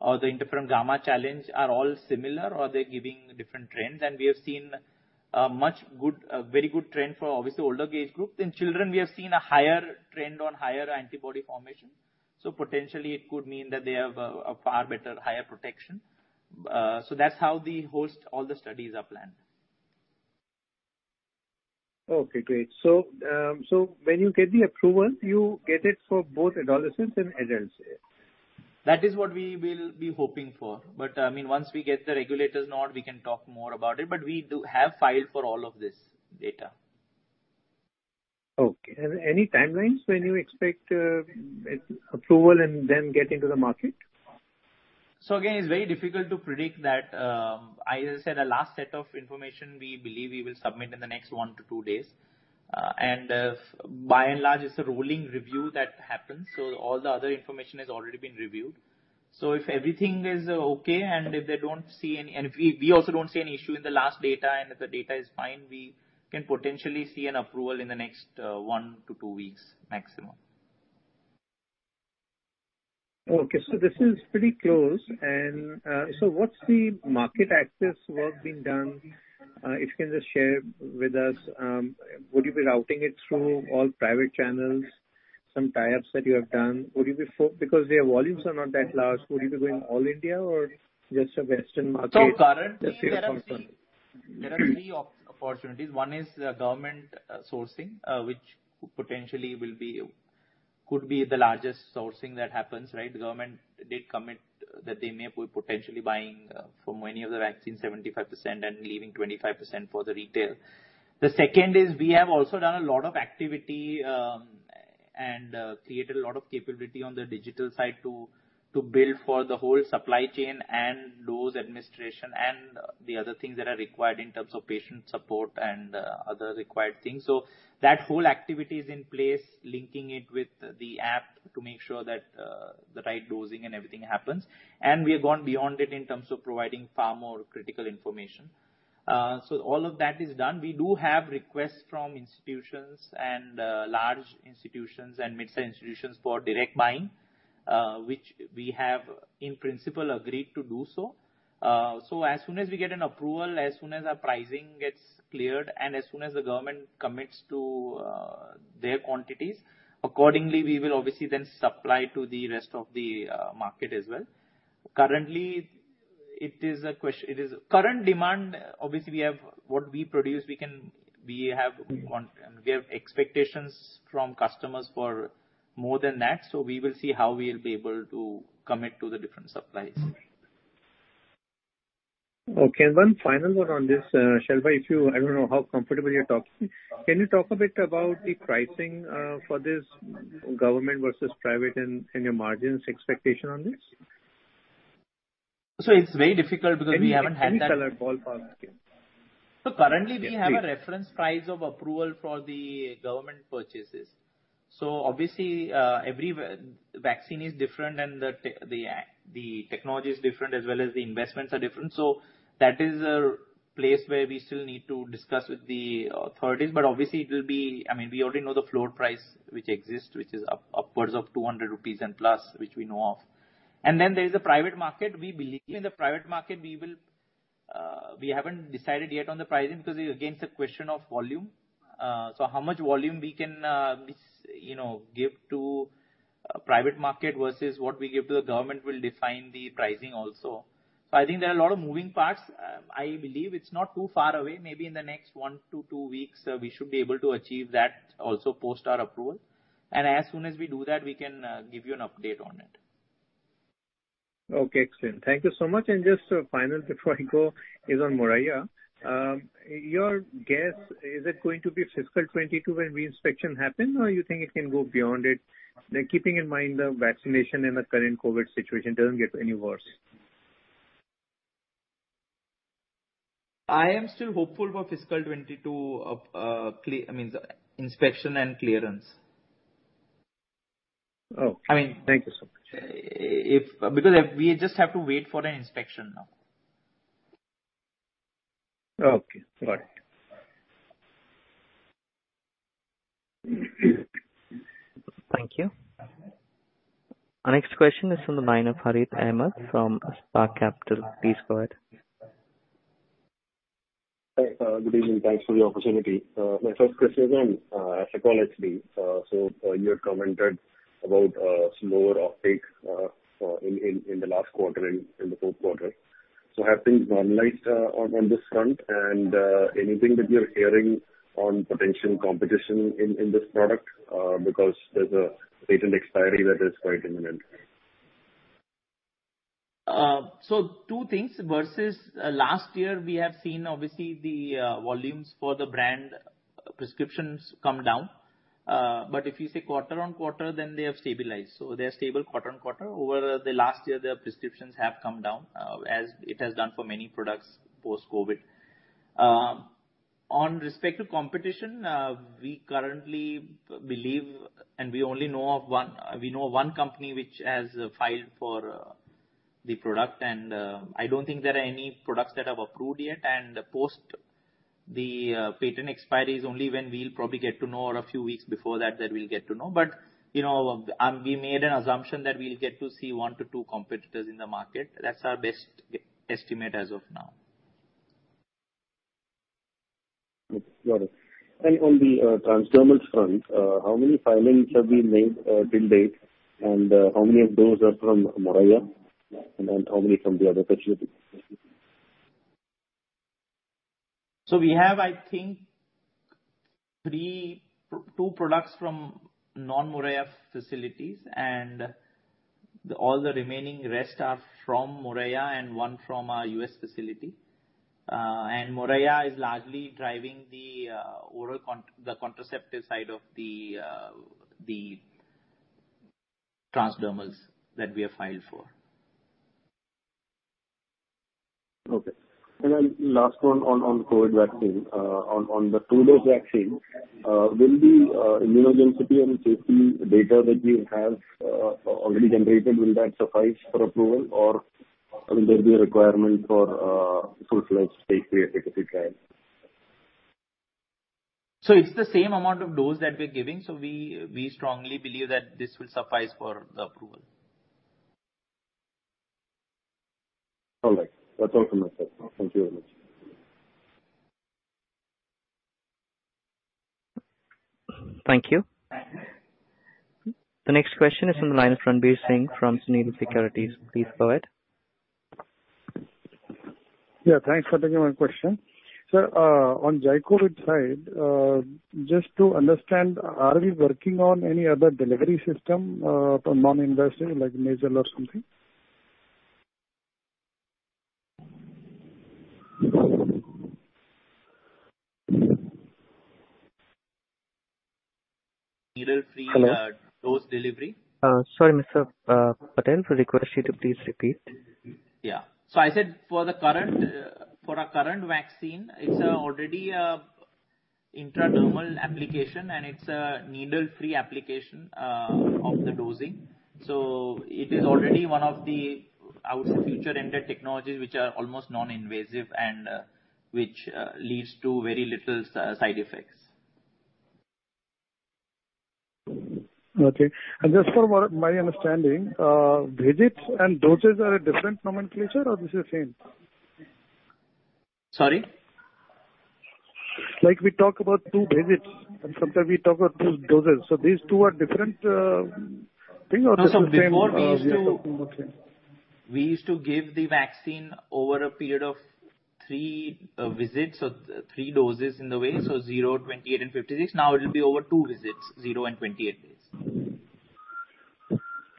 or the interferon gamma challenge are all similar, or they're giving different trends. We have seen a very good trend for obviously older age group. In children, we have seen a higher trend on higher antibody formation, potentially it could mean that they have a far better, higher protection. That's how the host all the studies are planned. Okay, great. When you get the approval, you get it for both adolescents and adults? That is what we will be hoping for. Once we get the regulator's nod, we can talk more about it. We have filed for all of this data. Okay. Any timelines when you expect approval and then get into the market? Again, it's very difficult to predict that. As I said, our last set of information, we believe we will submit in the next one to two days. By and large, it's a rolling review that happens. All the other information has already been reviewed. If everything is okay and we also don't see any issue in the last data, and if the data is fine, we can potentially see an approval in the next one to two weeks maximum. Okay. This is pretty close. What's the market access work being done? If you can just share with us, would you be routing it through all private channels, some tie-ups that you have done? Because their volumes are not that large, would you be going all India or just a Western market? Currently, there are three opportunities. One is government sourcing, which potentially could be the largest sourcing that happens, right? The government did commit that they may be potentially buying from any of the vaccines 75% and leaving 25% for the retail. The second is we have also done a lot of activity and created a lot of capability on the digital side to build for the whole supply chain and dose administration and the other things that are required in terms of patient support and other required things. That whole activity is in place, linking it with the app to make sure that the right dosing and everything happens. We have gone beyond it in terms of providing far more critical information. All of that is done. We do have requests from institutions and large institutions and mid-size institutions for direct buying, which we have, in principle, agreed to do so. As soon as we get an approval, as soon as our pricing gets cleared, and as soon as the government commits to their quantities, accordingly, we will obviously then supply to the rest of the market as well. Currently demand, obviously what we produce, we have expectations from customers for more than that, so we will see how we'll be able to commit to the different supplies. Okay. One final one on this, Sharvil. I don't know how comfortable you are talking. Can you talk a bit about the pricing for this government versus private and your margins expectation on this? It's very difficult because we haven't had. Any ballpark. Currently we have a reference price of approval for the government purchases. Obviously, every vaccine is different and the technology is different as well as the investments are different. That is a place where we still need to discuss with the authorities. Obviously, we already know the floor price which exists, which is upwards of 200 rupees and plus, which we know of. Then there is a private market. We believe in the private market. We haven't decided yet on the pricing because again, it's a question of volume. How much volume we can give to private market versus what we give to the government will define the pricing also. I think there are a lot of moving parts. I believe it's not too far away. Maybe in the next one to two weeks, we should be able to achieve that also post our approval. As soon as we do that, we can give you an update on it. Okay, excellent. Thank you so much. Just final before I go is on Moraiya. Your guess, is it going to be fiscal 2022 when re-inspection happens, or you think it can go beyond it, keeping in mind the vaccination and the current COVID situation doesn't get any worse? I am still hopeful for fiscal 2022 inspection and clearance. Okay. Thank you so much. We just have to wait for an inspection now. Okay. Got it. Thank you. Our next question is from the line of Harith Ahamed from Spark Capital. Please go ahead. Hi. Good evening. Thanks for the opportunity. My first question is on Asacol HD. You had commented about a slower uptake in the last quarter, in the fourth quarter. Have things normalized on this front? Anything that you're hearing on potential competition in this product? There's a patent expiry that is quite imminent. Two things. Versus last year, we have seen, obviously, the volumes for the brand prescriptions come down. If you say quarter on quarter, then they have stabilized. They're stable quarter on quarter. Over the last year, their prescriptions have come down, as it has done for many products post-COVID. On respect to competition, we currently believe and we know of one company which has filed for the product. I don't think there are any products that have approved yet. Post the patent expiry is only when we'll probably get to know, or a few weeks before that we'll get to know. We made an assumption that we'll get to see one to two competitors in the market. That's our best estimate as of now. Got it. On the transdermal front, how many filings have been made till date? How many of those are from Moraiya, and then how many from the other facility? We have, I think, two products from non-Moraiya facilities, and all the remaining rest are from Moraiya and one from our U.S. facility. Moraiya is largely driving the contraceptive side of the transdermals that we have filed for. Okay. Last one on COVID vaccine. On the two-dose vaccine, will the immunogenicity and safety data that you have already generated, will that suffice for approval? Will there be a requirement for a full-fledged phase III efficacy trial? It's the same amount of dose that we're giving, so we strongly believe that this will suffice for the approval. All right. That's all from my side. Thank you very much. Thank you. The next question is from the line of Ranvir Singh from Sunidhi Securities. Please go ahead. Yeah, thanks for taking my question. Sir, on ZyCoV-D side, just to understand, are we working on any other delivery system for non-invasive, like nasal or something? Needle-free- Hello? dose delivery? Sorry, Mr. Patel, we request you to please repeat. I said, for our current vaccine, it's already an intradermal application, and it's a needle-free application of the dosing. It is already one of the, I would say, future-ended technologies, which are almost non-invasive and which leads to very little side effects. Okay. Just for my understanding, visits and doses are a different nomenclature or this is the same? Sorry? Like we talk about two visits, and sometimes we talk about two doses. These two are different things or this is the same we are talking about? No, sir. Before, we used to give the vaccine over a period of three visits or 3 doses in the way. 0, 28 and 56. Now it'll be over two visits, 0 and 28 days.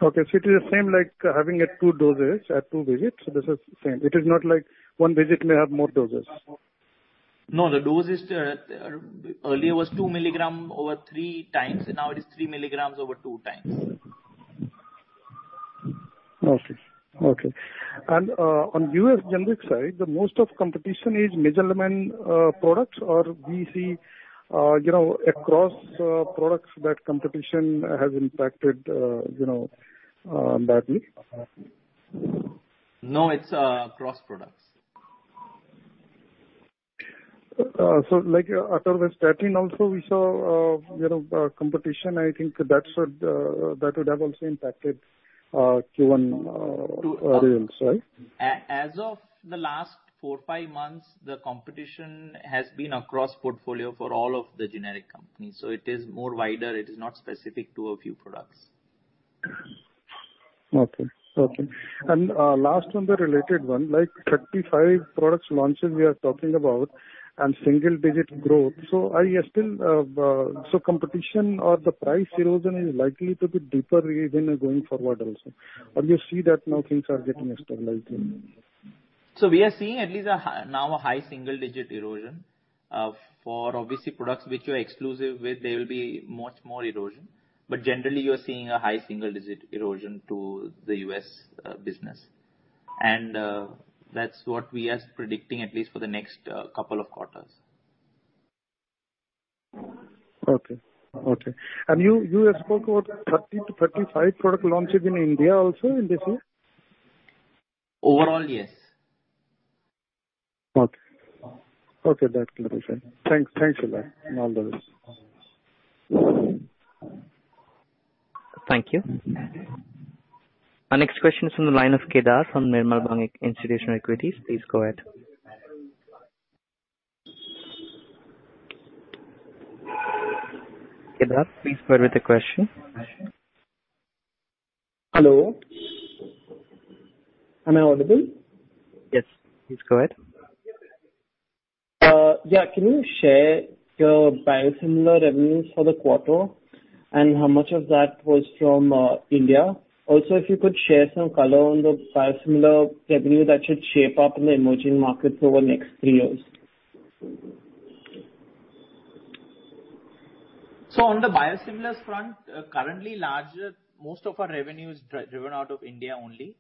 Okay. It is same like having a 2 dosage at 2 visits. This is the same. It is not like 1 visit may have more doses. No, the dosage earlier was two milligrams over three times, and now it is three milligrams over two times. Okay. On U.S. generic side, the most of competition is major mesalamine products? We see across products that competition has impacted badly? No, it's across products. Like atorvastatin also, we saw competition. I think that would have also impacted Q1 results, right? As of the last four, five months, the competition has been across portfolio for all of the generic companies. It is more wider, it is not specific to a few products. Okay. Last one, the related one. Like 35 products launches we are talking about and single-digit growth. Competition or the price erosion is likely to be deeper even going forward also. You see that now things are getting stabilized? We are seeing at least now a high single-digit erosion. For obviously products which are exclusive, there will be much more erosion. Generally, you're seeing a high single-digit erosion to the U.S. business. That's what we are predicting, at least for the next couple of quarters. Okay. You have spoke about 30-35 product launches in India also in this year? Overall, yes. Okay. That clarifies. Thanks a lot and all the best. Thank you. Our next question is from the line of Kedar from Nirmal Bang Institutional Equities. Please go ahead. Kedar, please go ahead with the question. Hello. Am I audible? Yes. Please go ahead. Yeah. Can you share your biosimilar revenues for the quarter and how much of that was from India? If you could share some color on the biosimilar revenue that should shape up in the emerging markets over the next three years. On the biosimilars front, currently most of our revenue is driven out of India only.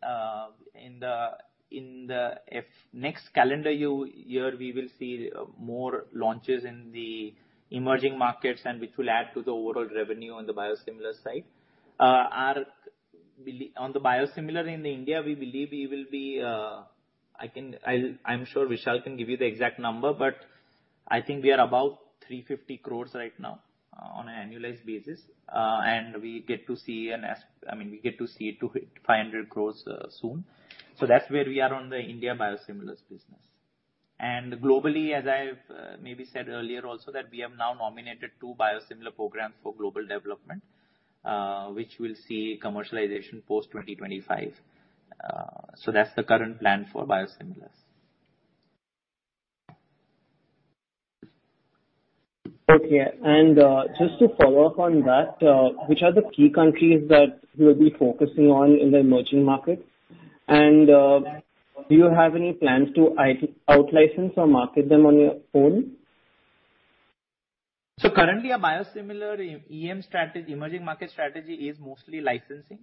In the next calendar year, we will see more launches in the emerging markets and which will add to the overall revenue on the biosimilar side. On the biosimilar in India, I'm sure Vishal can give you the exact number, but I think we are about 350 crores right now on an annualized basis. We get to see it to hit 500 crores soon. That's where we are on the India biosimilars business. Globally, as I've maybe said earlier also, that we have now nominated 2 biosimilar programs for global development, which will see commercialization post 2025. That's the current plan for biosimilars. Okay. Just to follow up on that, which are the key countries that you will be focusing on in the emerging market? Do you have any plans to out-license or market them on your own? Currently our biosimilar emerging market strategy is mostly licensing.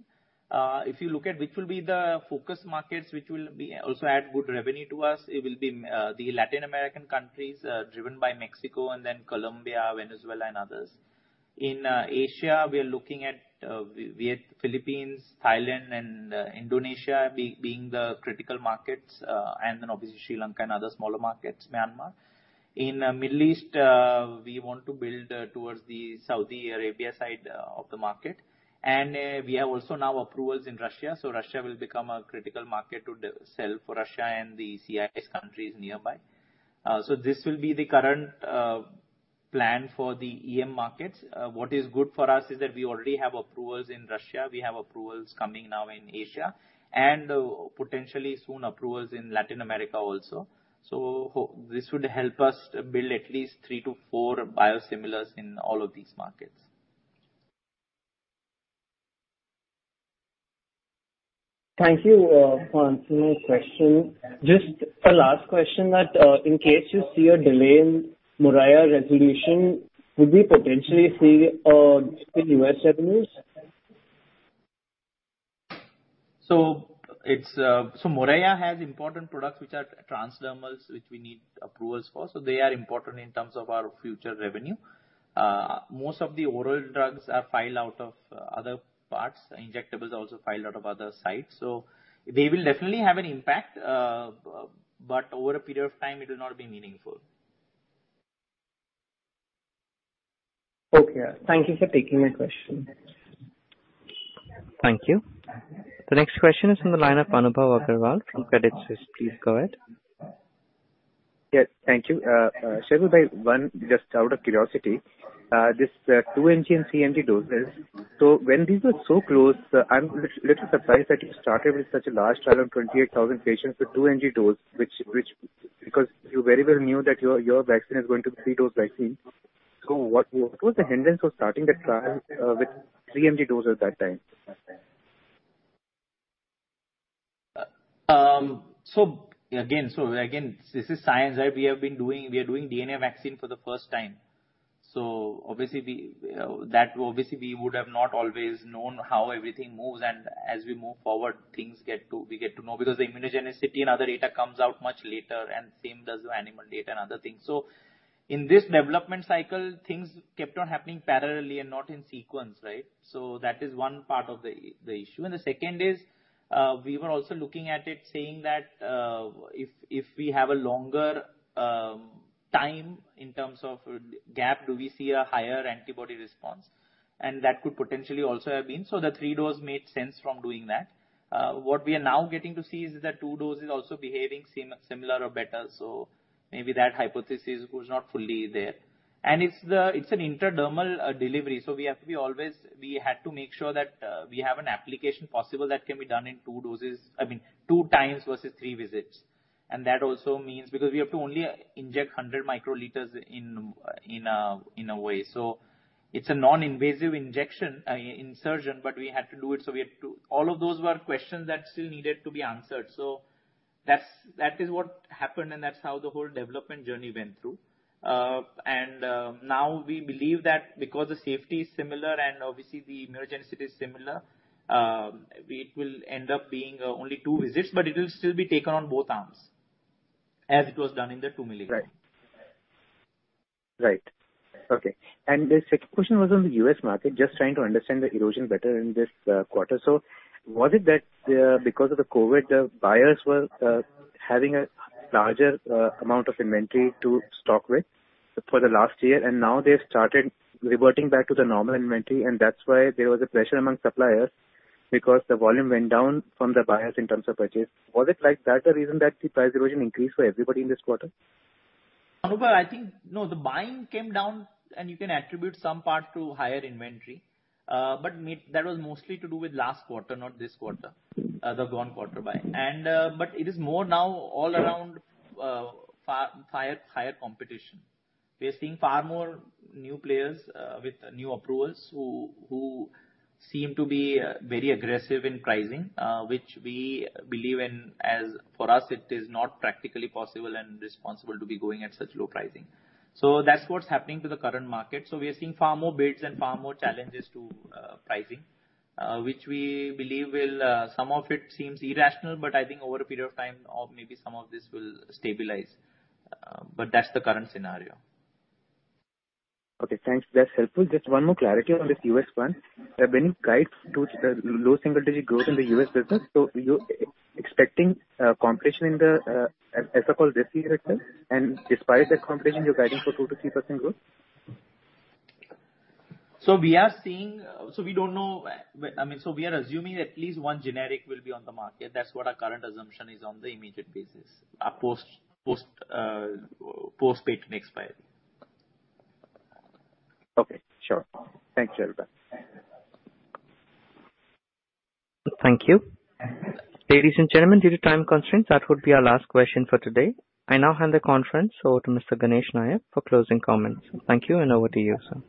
If you look at which will be the focus markets which will also add good revenue to us, it will be the Latin American countries, driven by Mexico and then Colombia, Venezuela and others. In Asia, we are looking at Philippines, Thailand, and Indonesia being the critical markets, and then obviously Sri Lanka and other smaller markets, Myanmar. In Middle East, we want to build towards the Saudi Arabia side of the market. We have also now approvals in Russia. Russia will become a critical market to sell for Russia and the CIS countries nearby. This will be the current plan for the EM markets. What is good for us is that we already have approvals in Russia. We have approvals coming now in Asia and potentially soon approvals in Latin America also. This would help us build at least 3 to 4 biosimilars in all of these markets. Thank you for answering my question. Just a last question that, in case you see a delay in Moraiya resolution, would we potentially see a dip in U.S. revenues? Moraiya has important products which are transdermals, which we need approvals for. They are important in terms of our future revenue. Most of the oral drugs are filed out of other parts. Injectables are also filed out of other sites. They will definitely have an impact. Over a period of time, it will not be meaningful. Okay. Thank you for taking my question. Thank you. The next question is from the line of Anubhav Aggarwal from Credit Suisse. Please go ahead. Yeah. Thank you. Sharvil, one just out of curiosity, this 2mg and 3mg doses. When these were so close, I'm a little surprised that you started with such a large trial on 28,000 patients with 2mg dose, because you very well knew that your vaccine is going to be 3-dose vaccine. What was the hindrance for starting that trial with 3mg dose at that time? Again, this is science that we have been doing. We are doing DNA vaccine for the first time. Obviously we would have not always known how everything moves and as we move forward, things we get to know because the immunogenicity and other data comes out much later and same does animal data and other things. In this development cycle, things kept on happening parallelly and not in sequence, right? That is one part of the issue. The second is, we were also looking at it saying that, if we have a longer time in terms of gap, do we see a higher antibody response? That could potentially also have been. The 3 dose made sense from doing that. What we are now getting to see is that 2 dose is also behaving similar or better. Maybe that hypothesis was not fully there. It's an intradermal delivery, so we had to make sure that we have an application possible that can be done in 2 doses. I mean, 2 times versus 3 visits. That also means because we have to only inject 100 microliters in a way. It's a non-invasive insertion, but we had to do it. All of those were questions that still needed to be answered. That is what happened, and that's how the whole development journey went through. Now we believe that because the safety is similar and obviously the immunogenicity is similar, it will end up being only 2 visits, but it will still be taken on both arms, as it was done in the 2 milligram. Right. Okay. The second question was on the U.S. market, just trying to understand the erosion better in this quarter. Was it that because of the COVID, buyers were having a larger amount of inventory to stock with for the last year, and now they've started reverting back to the normal inventory, and that's why there was a pressure among suppliers because the volume went down from the buyers in terms of purchase. Was it like that the reason that the price erosion increased for everybody in this quarter? Anubhav, I think no, the buying came down, and you can attribute some part to higher inventory. That was mostly to do with last quarter, not this quarter. The gone quarter by. It is more now all around higher competition. We are seeing far more new players with new approvals who seem to be very aggressive in pricing, which we believe in. As for us, it is not practically possible and responsible to be going at such low pricing. That's what's happening to the current market. We are seeing far more bids and far more challenges to pricing, which we believe some of it seems irrational, but I think over a period of time, maybe some of this will stabilize. That's the current scenario. Okay, thanks. That's helpful. Just one more clarity on this U.S. one. When you guide to low single-digit growth in the U.S. business, you're expecting competition in the Asacol this year itself, and despite that competition, you're guiding for 2% to 3% growth? We are assuming at least one generic will be on the market. That is what our current assumption is on the immediate basis. Post-patent expiry. Okay, sure. Thanks, Sharvil. Thank you. Ladies and gentlemen, due to time constraints, that would be our last question for today. I now hand the conference over to Mr. Ganesh Nayak for closing comments. Thank you, and over to you, sir.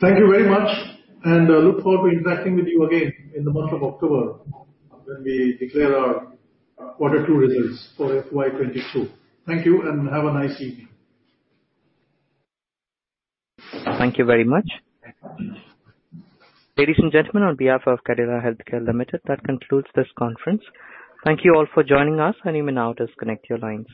Thank you very much, and look forward to interacting with you again in the month of October when we declare our Quarter Two results for FY 2022. Thank you, and have a nice evening. Thank you very much. Ladies and gentlemen, on behalf of Cadila Healthcare Limited, that concludes this conference. Thank you all for joining us and you may now disconnect your lines.